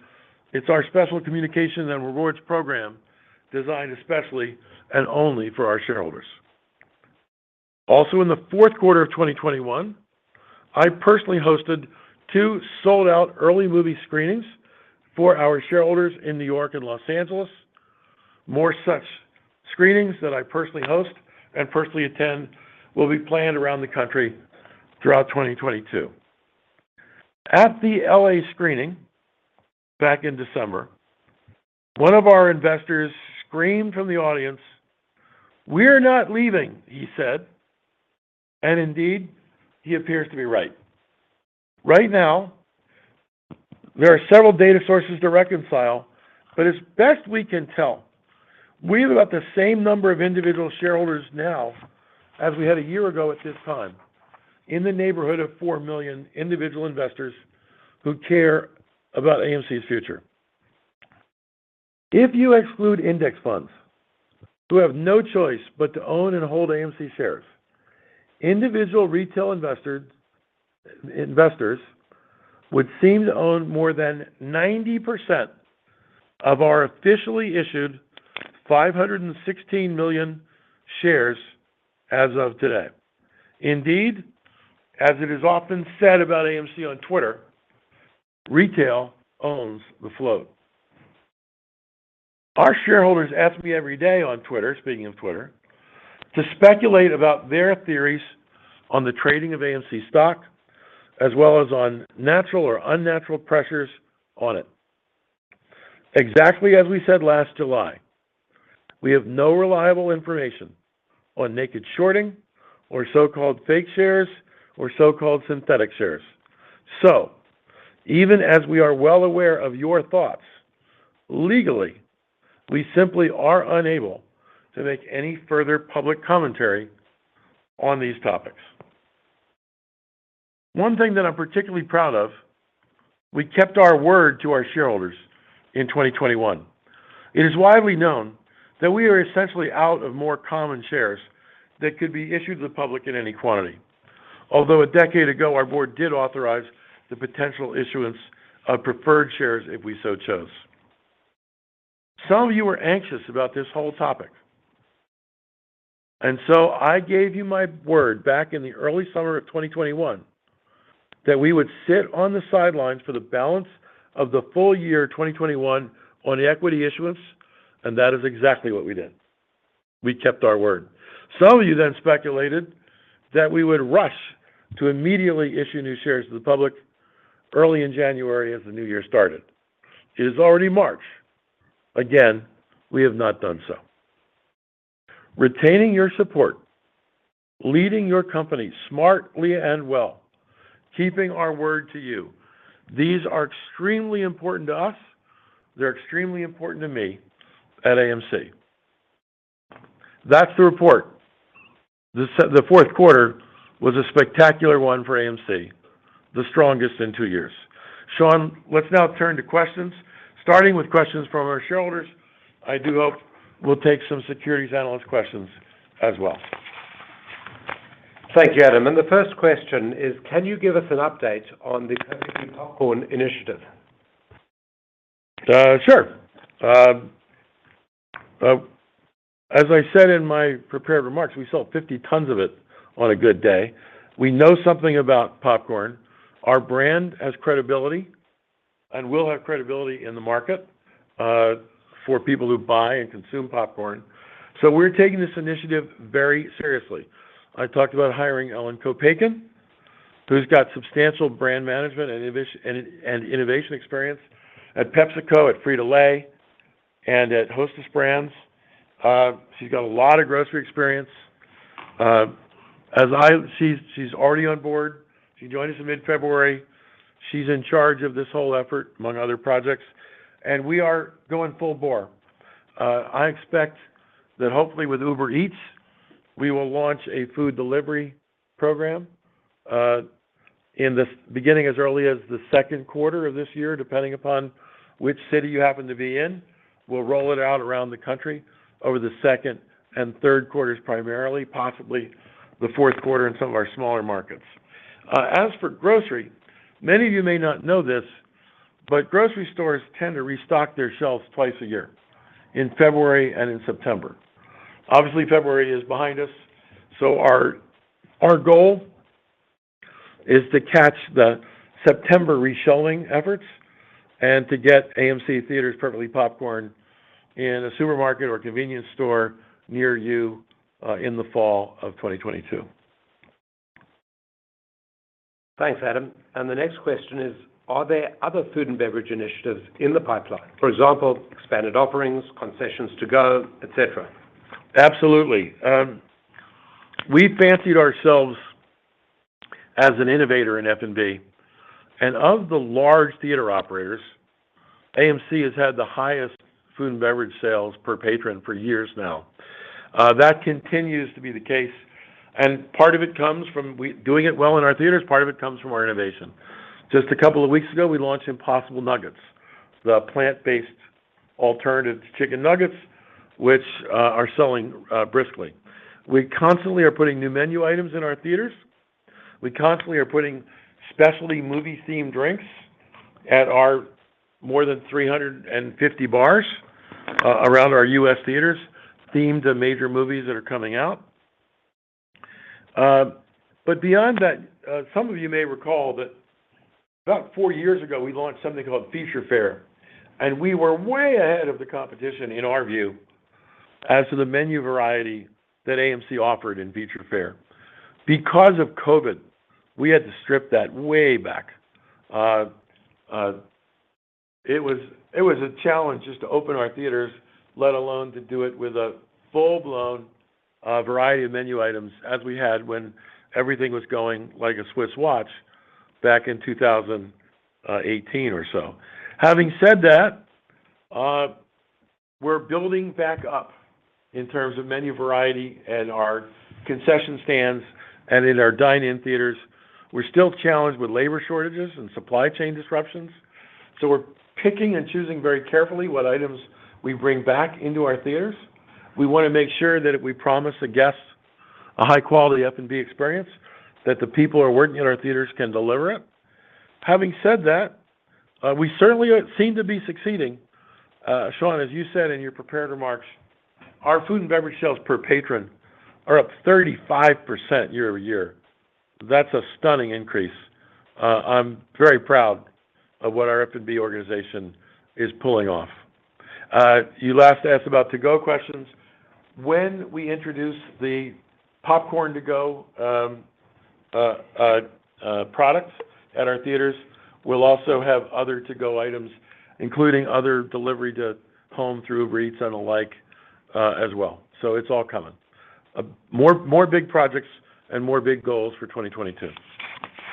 It's our special communications and rewards program designed especially and only for our shareholders. Also in the fourth quarter of 2021, I personally hosted two sold-out early movie screenings for our shareholders in New York and Los Angeles. More such screenings that I personally host and personally attend will be planned around the country throughout 2022. At the L.A. screening back in December, one of our investors screamed from the audience, "We're not leaving," he said, and indeed, he appears to be right. Right now, there are several data sources to reconcile, but as best we can tell, we have about the same number of individual shareholders now as we had a year ago at this time in the neighborhood of 4 million individual investors who care about AMC's future. If you exclude index funds who have no choice but to own and hold AMC shares, individual retail investors would seem to own more than 90% of our officially issued 516 million shares as of today. Indeed, as it is often said about AMC on Twitter, retail owns the float. Our shareholders ask me every day on Twitter, speaking of Twitter, to speculate about their theories on the trading of AMC stock as well as on natural or unnatural pressures on it. Exactly as we said last July, we have no reliable information on naked shorting or so-called fake shares or so-called synthetic shares. Even as we are well aware of your thoughts, legally, we simply are unable to make any further public commentary on these topics. One thing that I'm particularly proud of, we kept our word to our shareholders in 2021. It is widely known that we are essentially out of more common shares that could be issued to the public in any quantity. Although a decade ago, our board did authorize the potential issuance of preferred shares if we so chose. Some of you were anxious about this whole topic, and so I gave you my word back in the early summer of 2021 that we would sit on the sidelines for the balance of the full year 2021 on equity issuance, and that is exactly what we did. We kept our word. Some of you then speculated that we would rush to immediately issue new shares to the public early in January as the new year started. It is already March. Again, we have not done so. Retaining your support, leading your company smartly and well, keeping our word to you, these are extremely important to us, they're extremely important to me at AMC. That's the report. The fourth quarter was a spectacular one for AMC, the strongest in two years. Sean, let's now turn to questions, starting with questions from our shareholders. I do hope we'll take some securities analyst questions as well. Thank you, Adam. The first question is: Can you give us an update on the Perfectly Popcorn initiative? As I said in my prepared remarks, we sell 50 tons of it on a good day. We know something about popcorn. Our brand has credibility and will have credibility in the market for people who buy and consume popcorn. We're taking this initiative very seriously. I talked about hiring Ellen Copaken, who's got substantial brand management and innovation experience at PepsiCo, at Frito-Lay, and at Hostess Brands. She's got a lot of grocery experience. She's already on board. She joined us in mid-February. She's in charge of this whole effort, among other projects, and we are going full bore. I expect that hopefully with Uber Eats, we will launch a food delivery program, beginning as early as the second quarter of this year, depending upon which city you happen to be in. We'll roll it out around the country over the second and third quarters primarily, possibly the fourth quarter in some of our smaller markets. As for grocery, many of you may not know this, but grocery stores tend to restock their shelves twice a year, in February and in September. Obviously, February is behind us, so our goal is to catch the September reshelving efforts and to get AMC Theatres Perfectly Popcorn in a supermarket or convenience store near you, in the fall of 2022. Thanks, Adam. The next question is: Are there other food and beverage initiatives in the pipeline? For example, expanded offerings, concessions to go, et cetera. Absolutely. We fancied ourselves as an innovator in F&B. Of the large theater operators, AMC has had the highest food and beverage sales per patron for years now. That continues to be the case, and part of it comes from doing it well in our theaters, part of it comes from our innovation. Just a couple of weeks ago, we launched Impossible Nuggets, the plant-based alternative to chicken nuggets, which are selling briskly. We constantly are putting new menu items in our theaters. We constantly are putting specialty movie-themed drinks at our more than 350 bars around our U.S. theaters, themed to major movies that are coming out. Beyond that, some of you may recall that about four years ago, we launched something called Feature Fare. We were way ahead of the competition, in our view, as to the menu variety that AMC offered in Feature Fare. Because of COVID, we had to strip that way back. It was a challenge just to open our theaters, let alone to do it with a full-blown variety of menu items as we had when everything was going like a Swiss watch back in 2018 or so. Having said that, we're building back up in terms of menu variety in our concession stands and in our Dine-In Theatres. We're still challenged with labor shortages and supply chain disruptions, so we're picking and choosing very carefully what items we bring back into our theaters. We wanna make sure that if we promise the guests a high-quality F&B experience, that the people who are working in our theaters can deliver it. Having said that, we certainly seem to be succeeding. Sean, as you said in your prepared remarks, our food and beverage sales per patron are up 35% year-over-year. That's a stunning increase. I'm very proud of what our F&B organization is pulling off. You last asked about to-go questions. When we introduce the popcorn to-go product at our theaters, we'll also have other to-go items, including other delivery to home through Uber Eats and the like, as well. It's all coming. More big projects and more big goals for 2022.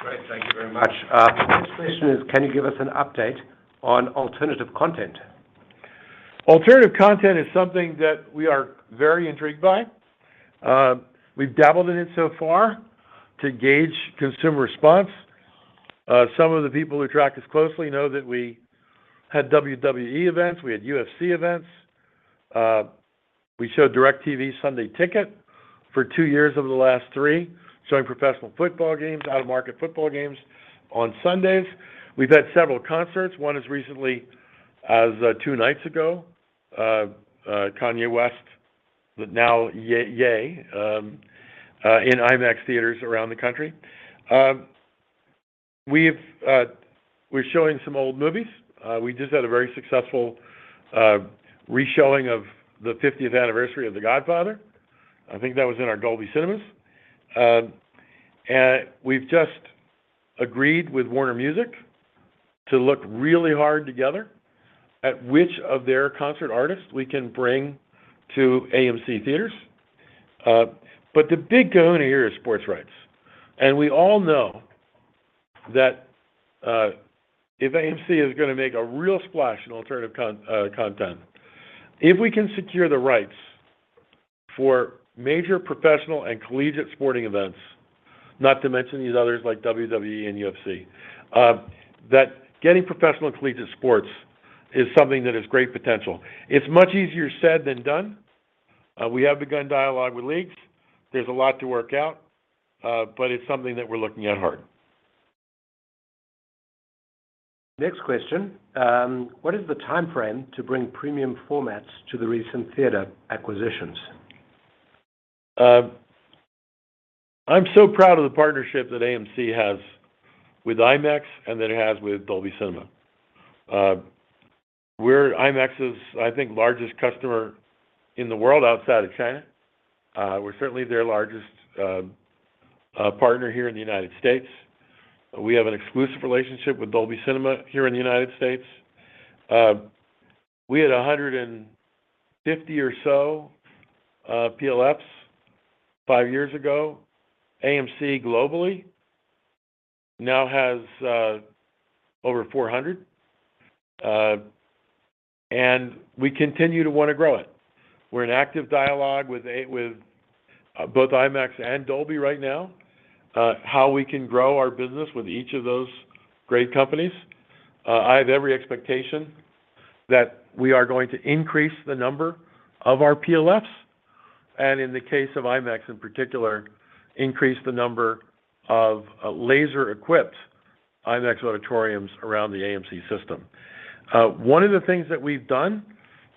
Great. Thank you very much. The next question is: Can you give us an update on alternative content? Alternative content is something that we are very intrigued by. We've dabbled in it so far to gauge consumer response. Some of the people who track us closely know that we had WWE events, we had UFC events. We showed NFL Sunday Ticket for two years over the last three, showing professional football games, out-of-market football games on Sundays. We've had several concerts. One as recently as two nights ago, Kanye West, but now Ye, in IMAX theaters around the country. We're showing some old movies. We just had a very successful re-showing of the 50th anniversary of The Godfather. I think that was in our Dolby Cinemas. We've just agreed with Warner Music to look really hard together at which of their concert artists we can bring to AMC Theatres. The big goal here is sports rights. We all know that, if AMC is gonna make a real splash in alternative content, if we can secure the rights for major professional and collegiate sporting events, not to mention these others like WWE and UFC, that getting professional and collegiate sports is something that has great potential. It's much easier said than done. We have begun dialogue with leagues. There's a lot to work out, but it's something that we're looking at hard. Next question. What is the timeframe to bring premium formats to the recent theater acquisitions? I'm so proud of the partnership that AMC has with IMAX and that it has with Dolby Cinema. We're IMAX's, I think, largest customer in the world outside of China. We're certainly their largest partner here in the United States. We have an exclusive relationship with Dolby Cinema here in the United States. We had 150 or so PLFs five years ago. AMC globally now has over 400, and we continue to wanna grow it. We're in active dialogue with both IMAX and Dolby right now, how we can grow our business with each of those great companies. I have every expectation that we are going to increase the number of our PLFs, and in the case of IMAX in particular, increase the number of laser-equipped IMAX auditoriums around the AMC system. One of the things that we've done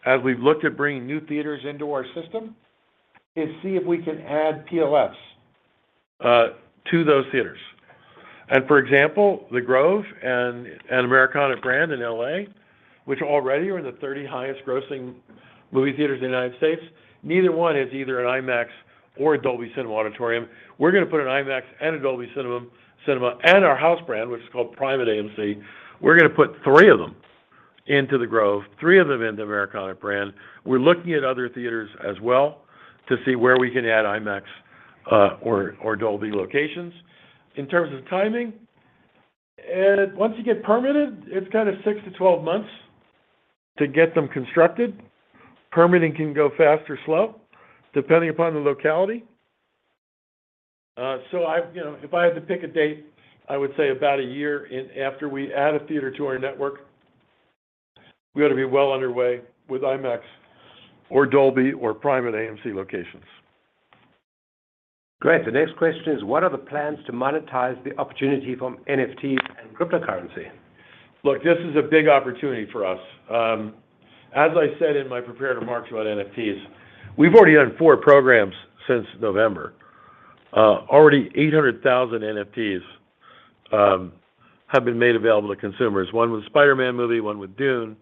as we've looked at bringing new theaters into our system is see if we can add PLFs to those theaters. For example, The Grove and Americana at Brand in L.A., which already are in the 30 highest grossing movie theaters in the United States, neither one has either an IMAX or a Dolby Cinema auditorium. We're gonna put an IMAX and a Dolby Cinema and our house brand, which is called PRIME at AMC. We're gonna put three of them into The Grove, three of them into Americana at Brand. We're looking at other theaters as well to see where we can add IMAX or Dolby locations. In terms of timing, once you get permitted, it's kind of six to 12 months to get them constructed. Permitting can go fast or slow depending upon the locality. You know, if I had to pick a date, I would say about a year after we add a theater to our network, we ought to be well underway with IMAX or Dolby or PRIME AMC locations. Great. The next question is, what are the plans to monetize the opportunity from NFT and cryptocurrency? Look, this is a big opportunity for us. As I said in my prepared remarks about NFTs, we've already done four programs since November. Already 800,000 NFTs have been made available to consumers. One with the Spider-Man movie, one with Dune,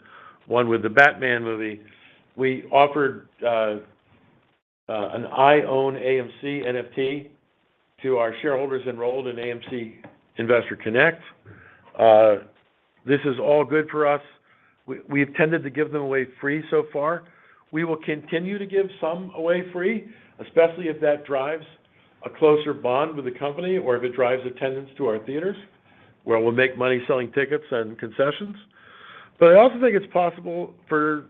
one with The Batman movie. We offered an I Own AMC NFT to our shareholders enrolled in AMC Investor Connect. This is all good for us. We've tended to give them away free so far. We will continue to give some away free, especially if that drives a closer bond with the company or if it drives attendance to our theaters, where we'll make money selling tickets and concessions. I also think it's possible for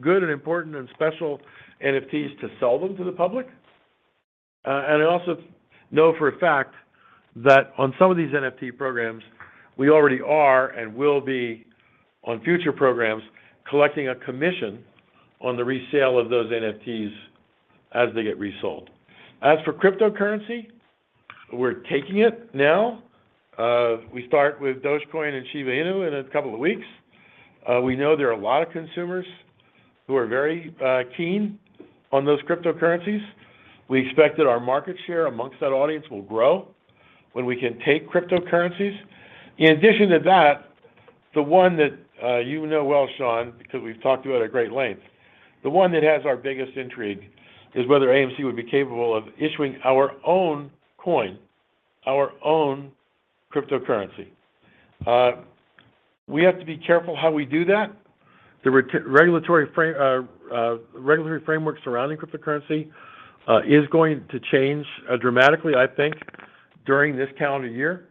good and important and special NFTs to sell them to the public. I also know for a fact that on some of these NFT programs, we already are and will be on future programs, collecting a commission on the resale of those NFTs as they get resold. As for cryptocurrency, we're taking it now. We start with Dogecoin and Shiba Inu in a couple of weeks. We know there are a lot of consumers who are very keen on those cryptocurrencies. We expect that our market share among that audience will grow when we can take cryptocurrencies. In addition to that, the one that you know well, Sean, because we've talked about it at great length, the one that has our biggest intrigue is whether AMC would be capable of issuing our own coin, our own cryptocurrency. We have to be careful how we do that. The regulatory framework surrounding cryptocurrency is going to change dramatically, I think, during this calendar year.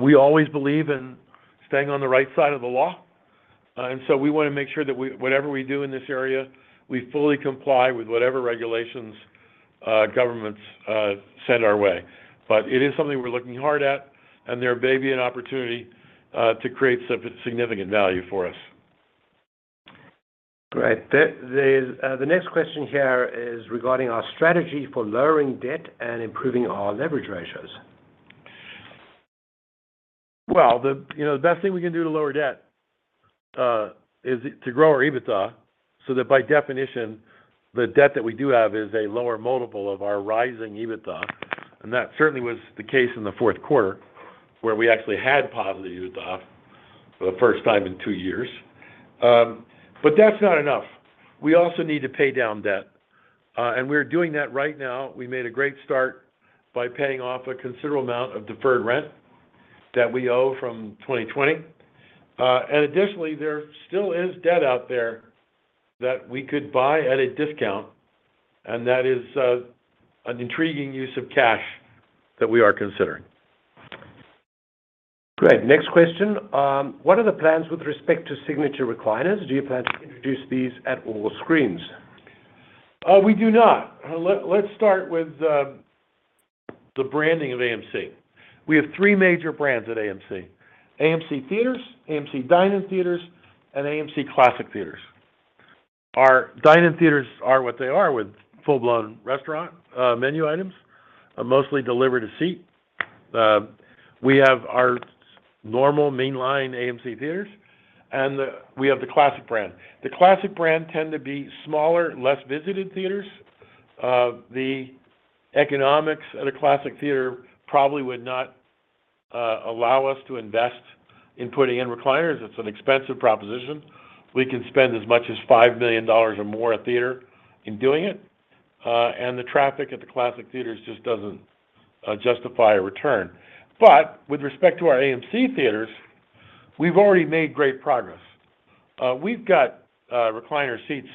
We always believe in staying on the right side of the law. We wanna make sure that whatever we do in this area, we fully comply with whatever regulations governments send our way. It is something we're looking hard at, and there may be an opportunity to create significant value for us. Right. The next question here is regarding our strategy for lowering debt and improving our leverage ratios. Well, you know, the best thing we can do to lower debt is to grow our EBITDA, so that by definition, the debt that we do have is a lower multiple of our rising EBITDA. That certainly was the case in the fourth quarter, where we actually had positive EBITDA for the first time in two years. That's not enough. We also need to pay down debt. We're doing that right now. We made a great start by paying off a considerable amount of deferred rent that we owe from 2020. Additionally, there still is debt out there that we could buy at a discount, and that is an intriguing use of cash that we are considering. Great. Next question. What are the plans with respect to signature recliners? Do you plan to introduce these at all screens? We do not. Let's start with the branding of AMC. We have three major brands at AMC. AMC Theatres, AMC Dine-In Theatres, and AMC Classic Theatres. Our dine-in theaters are what they are with full-blown restaurant menu items, mostly delivered to seat. We have our normal mainline AMC Theatres, and we have the classic brand. The classic brand tend to be smaller, less visited theaters. The economics at a classic theater probably would not allow us to invest in putting in recliners. It's an expensive proposition. We can spend as much as $5 million or more a theater in doing it, and the traffic at the classic theaters just doesn't justify a return. With respect to our AMC Theatres, we've already made great progress. We've got recliner seats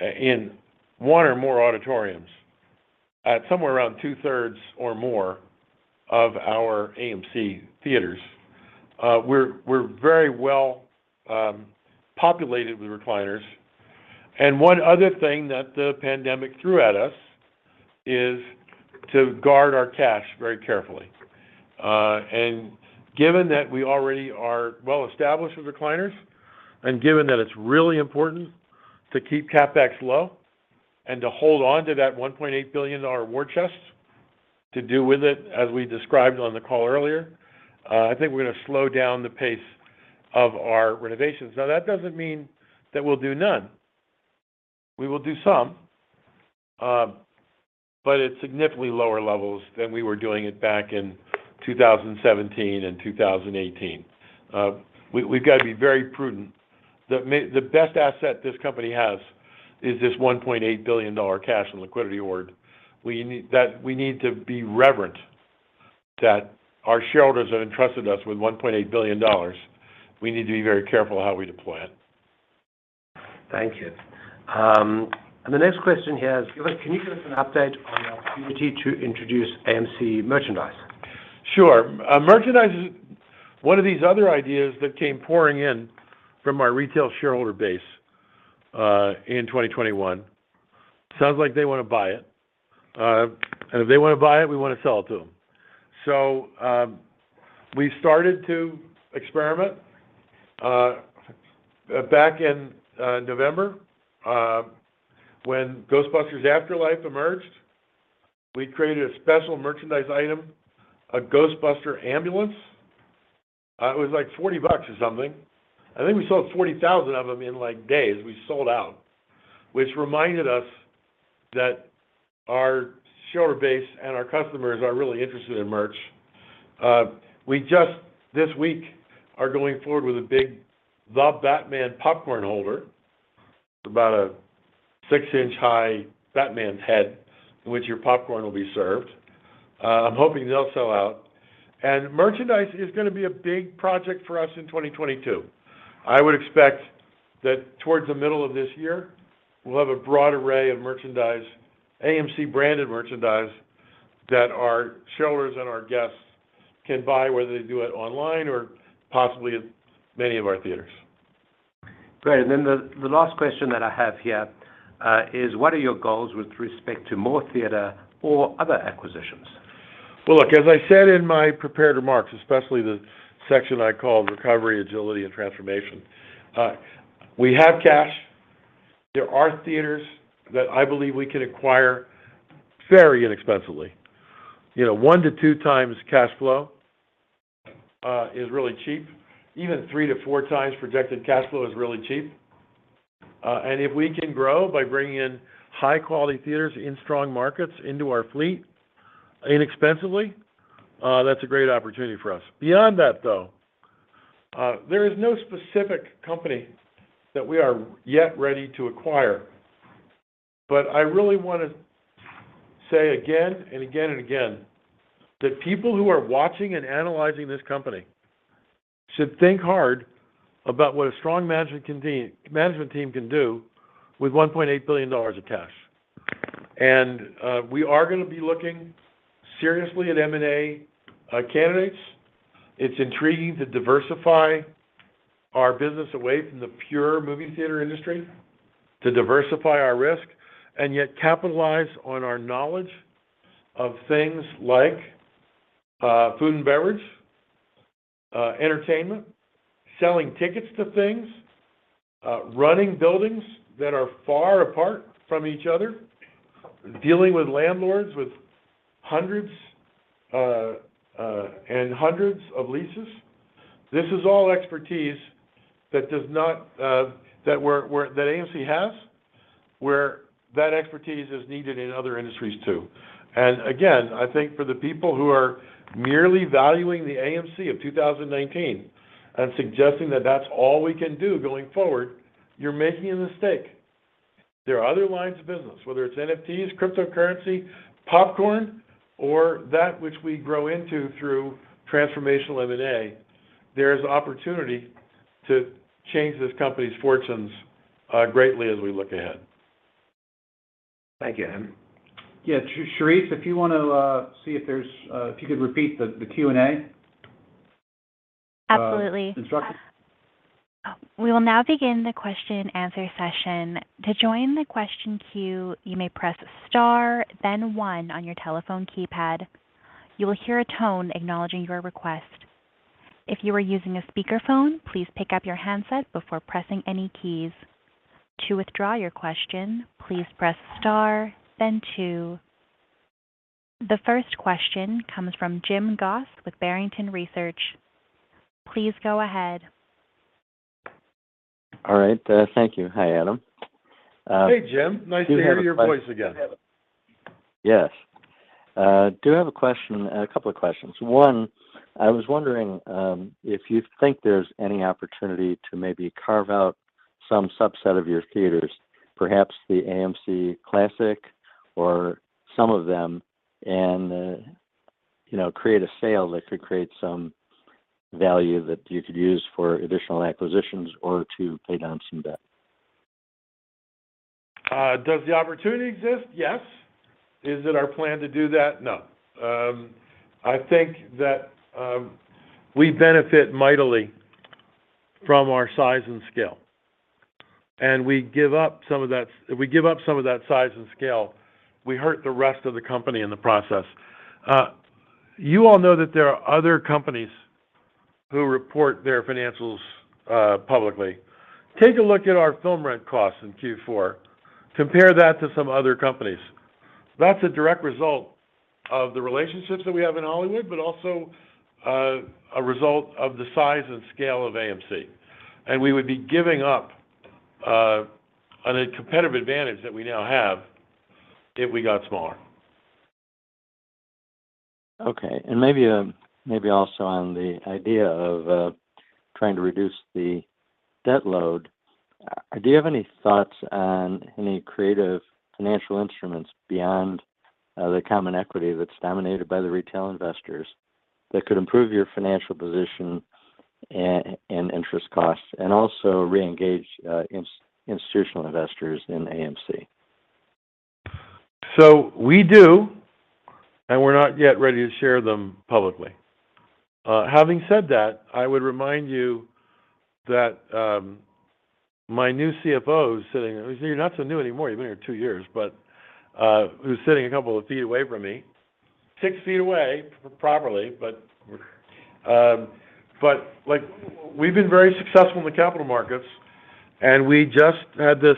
in one or more auditoriums at somewhere around two-thirds or more of our AMC theaters. We're very well populated with recliners. One other thing that the pandemic threw at us is to guard our cash very carefully. Given that we already are well-established with recliners and given that it's really important to keep CapEx low and to hold on to that $1.8 billion war chest to do with it as we described on the call earlier, I think we're gonna slow down the pace of our renovations. Now, that doesn't mean that we'll do none. We will do some, but at significantly lower levels than we were doing it back in 2017 and 2018. We've got to be very prudent. The best asset this company has is this $1.8 billion cash and liquidity hoard. That we need to be reverent that our shareholders have entrusted us with $1.8 billion. We need to be very careful how we deploy it. Thank you. The next question here is, can you give us an update on your opportunity to introduce AMC merchandise? Sure. Merchandise is one of these other ideas that came pouring in from our retail shareholder base in 2021. Sounds like they wanna buy it. If they wanna buy it, we wanna sell it to them. We started to experiment back in November when Ghostbusters: Afterlife emerged. We created a special merchandise item, a Ghostbusters ambulance. It was like $40 or something. I think we sold 40,000 of them in like days. We sold out, which reminded us that our shareholder base and our customers are really interested in merch. We just this week are going forward with a big The Batman popcorn holder. It's about a six-inch high Batman head in which your popcorn will be served. I'm hoping they'll sell out. Merchandise is gonna be a big project for us in 2022. I would expect that towards the middle of this year, we'll have a broad array of merchandise, AMC-branded merchandise, that our shareholders and our guests can buy, whether they do it online or possibly at many of our theaters. Great. The last question that I have here is what are your goals with respect to more theater or other acquisitions? Well, look, as I said in my prepared remarks, especially the section I called Recovery, Agility, and Transformation, we have cash. There are theaters that I believe we can acquire very inexpensively. You know, 1x-2x cash flow is really cheap. Even 3x-4x projected cash flow is really cheap. If we can grow by bringing in high-quality theaters in strong markets into our fleet inexpensively, that's a great opportunity for us. Beyond that, though, there is no specific company that we are yet ready to acquire. But I really wanna say again and again and again that people who are watching and analyzing this company should think hard about what a strong management team can do with $1.8 billion of cash. We are gonna be looking seriously at M&A candidates. It's intriguing to diversify our business away from the pure movie theater industry, to diversify our risk and yet capitalize on our knowledge of things like, food and beverage, entertainment, selling tickets to things, running buildings that are far apart from each other, dealing with landlords with hundreds, and hundreds of leases. This is all expertise that AMC has, where that expertise is needed in other industries, too. Again, I think for the people who are merely valuing the AMC of 2019 and suggesting that that's all we can do going forward, you're making a mistake. There are other lines of business, whether it's NFTs, cryptocurrency, popcorn, or that which we grow into through transformational M&A. There is opportunity to change this company's fortunes, greatly as we look ahead. Thank you, Adam. Yeah. Sharif, if you could repeat the Q&A. Absolutely. instructions. We will now begin the question and answer session. To join the question queue, you may press star then one on your telephone keypad. You will hear a tone acknowledging your request. If you are using a speakerphone, please pick up your handset before pressing any keys. To withdraw your question, please press star then two. The first question comes from Jim Goss with Barrington Research. Please go ahead. All right, thank you. Hi, Adam. Hey, Jim. Nice to hear your voice again. Yes. I do have a question, a couple of questions. One, I was wondering if you think there's any opportunity to maybe carve out some subset of your theaters, perhaps the AMC Classic or some of them, and you know, create a sale that could create some value that you could use for additional acquisitions or to pay down some debt. Does the opportunity exist? Yes. Is it our plan to do that? No. I think that we benefit mightily from our size and scale. If we give up some of that size and scale, we hurt the rest of the company in the process. You all know that there are other companies who report their financials publicly. Take a look at our film rent costs in Q4. Compare that to some other companies. That's a direct result of the relationships that we have in Hollywood, but also a result of the size and scale of AMC. We would be giving up on a competitive advantage that we now have if we got smaller. Okay. Maybe also on the idea of trying to reduce the debt load, do you have any thoughts on any creative financial instruments beyond the common equity that's dominated by the retail investors that could improve your financial position and interest costs and also reengage institutional investors in AMC? We do, and we're not yet ready to share them publicly. Having said that, I would remind you that my new CFO is sitting. You're not so new anymore. You've been here two years. Who's sitting a couple of feet away from me, six feet away properly. Like, we've been very successful in the capital markets, and we just had this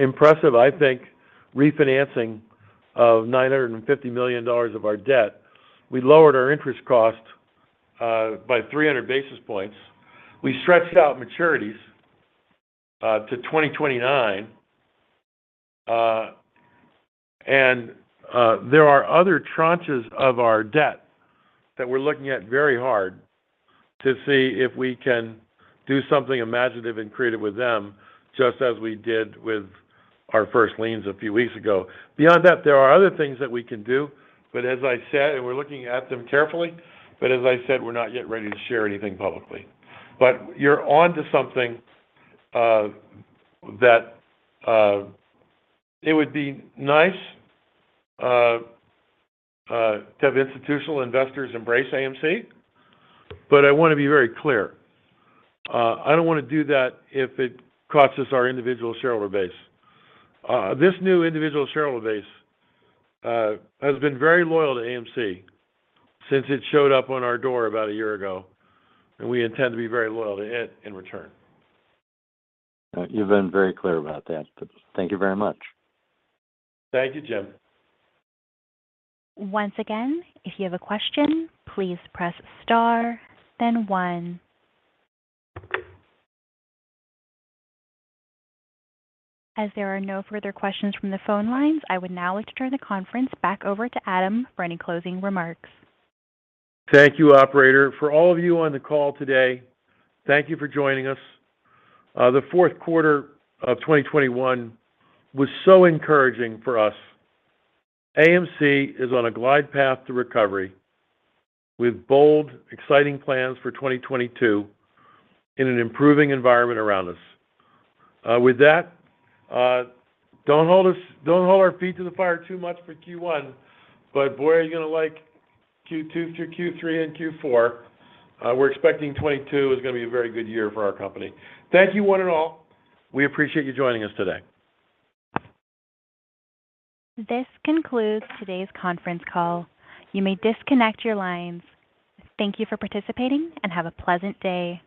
impressive, I think, refinancing of $950 million of our debt. We lowered our interest cost by 300 basis points. We stretched out maturities to 2029. There are other tranches of our debt that we're looking at very hard to see if we can do something imaginative and creative with them just as we did with our first liens a few weeks ago. Beyond that, there are other things that we can do. As I said, we're looking at them carefully. As I said, we're not yet ready to share anything publicly. You're onto something that it would be nice to have institutional investors embrace AMC. I wanna be very clear, I don't wanna do that if it costs us our individual shareholder base. This new individual shareholder base has been very loyal to AMC since it showed up on our door about a year ago, and we intend to be very loyal to it in return. You've been very clear about that, but thank you very much. Thank you, Jim. Once again, if you have a question, please press star then one. As there are no further questions from the phone lines, I would now like to turn the conference back over to Adam for any closing remarks. Thank you, operator. For all of you on the call today, thank you for joining us. The fourth quarter of 2021 was so encouraging for us. AMC is on a glide path to recovery with bold, exciting plans for 2022 in an improving environment around us. With that, don't hold our feet to the fire too much for Q1, but boy, are you gonna like Q2 through Q3 and Q4. We're expecting 2022 is gonna be a very good year for our company. Thank you one and all. We appreciate you joining us today. This concludes today's conference call. You may disconnect your lines. Thank you for participating, and have a pleasant day.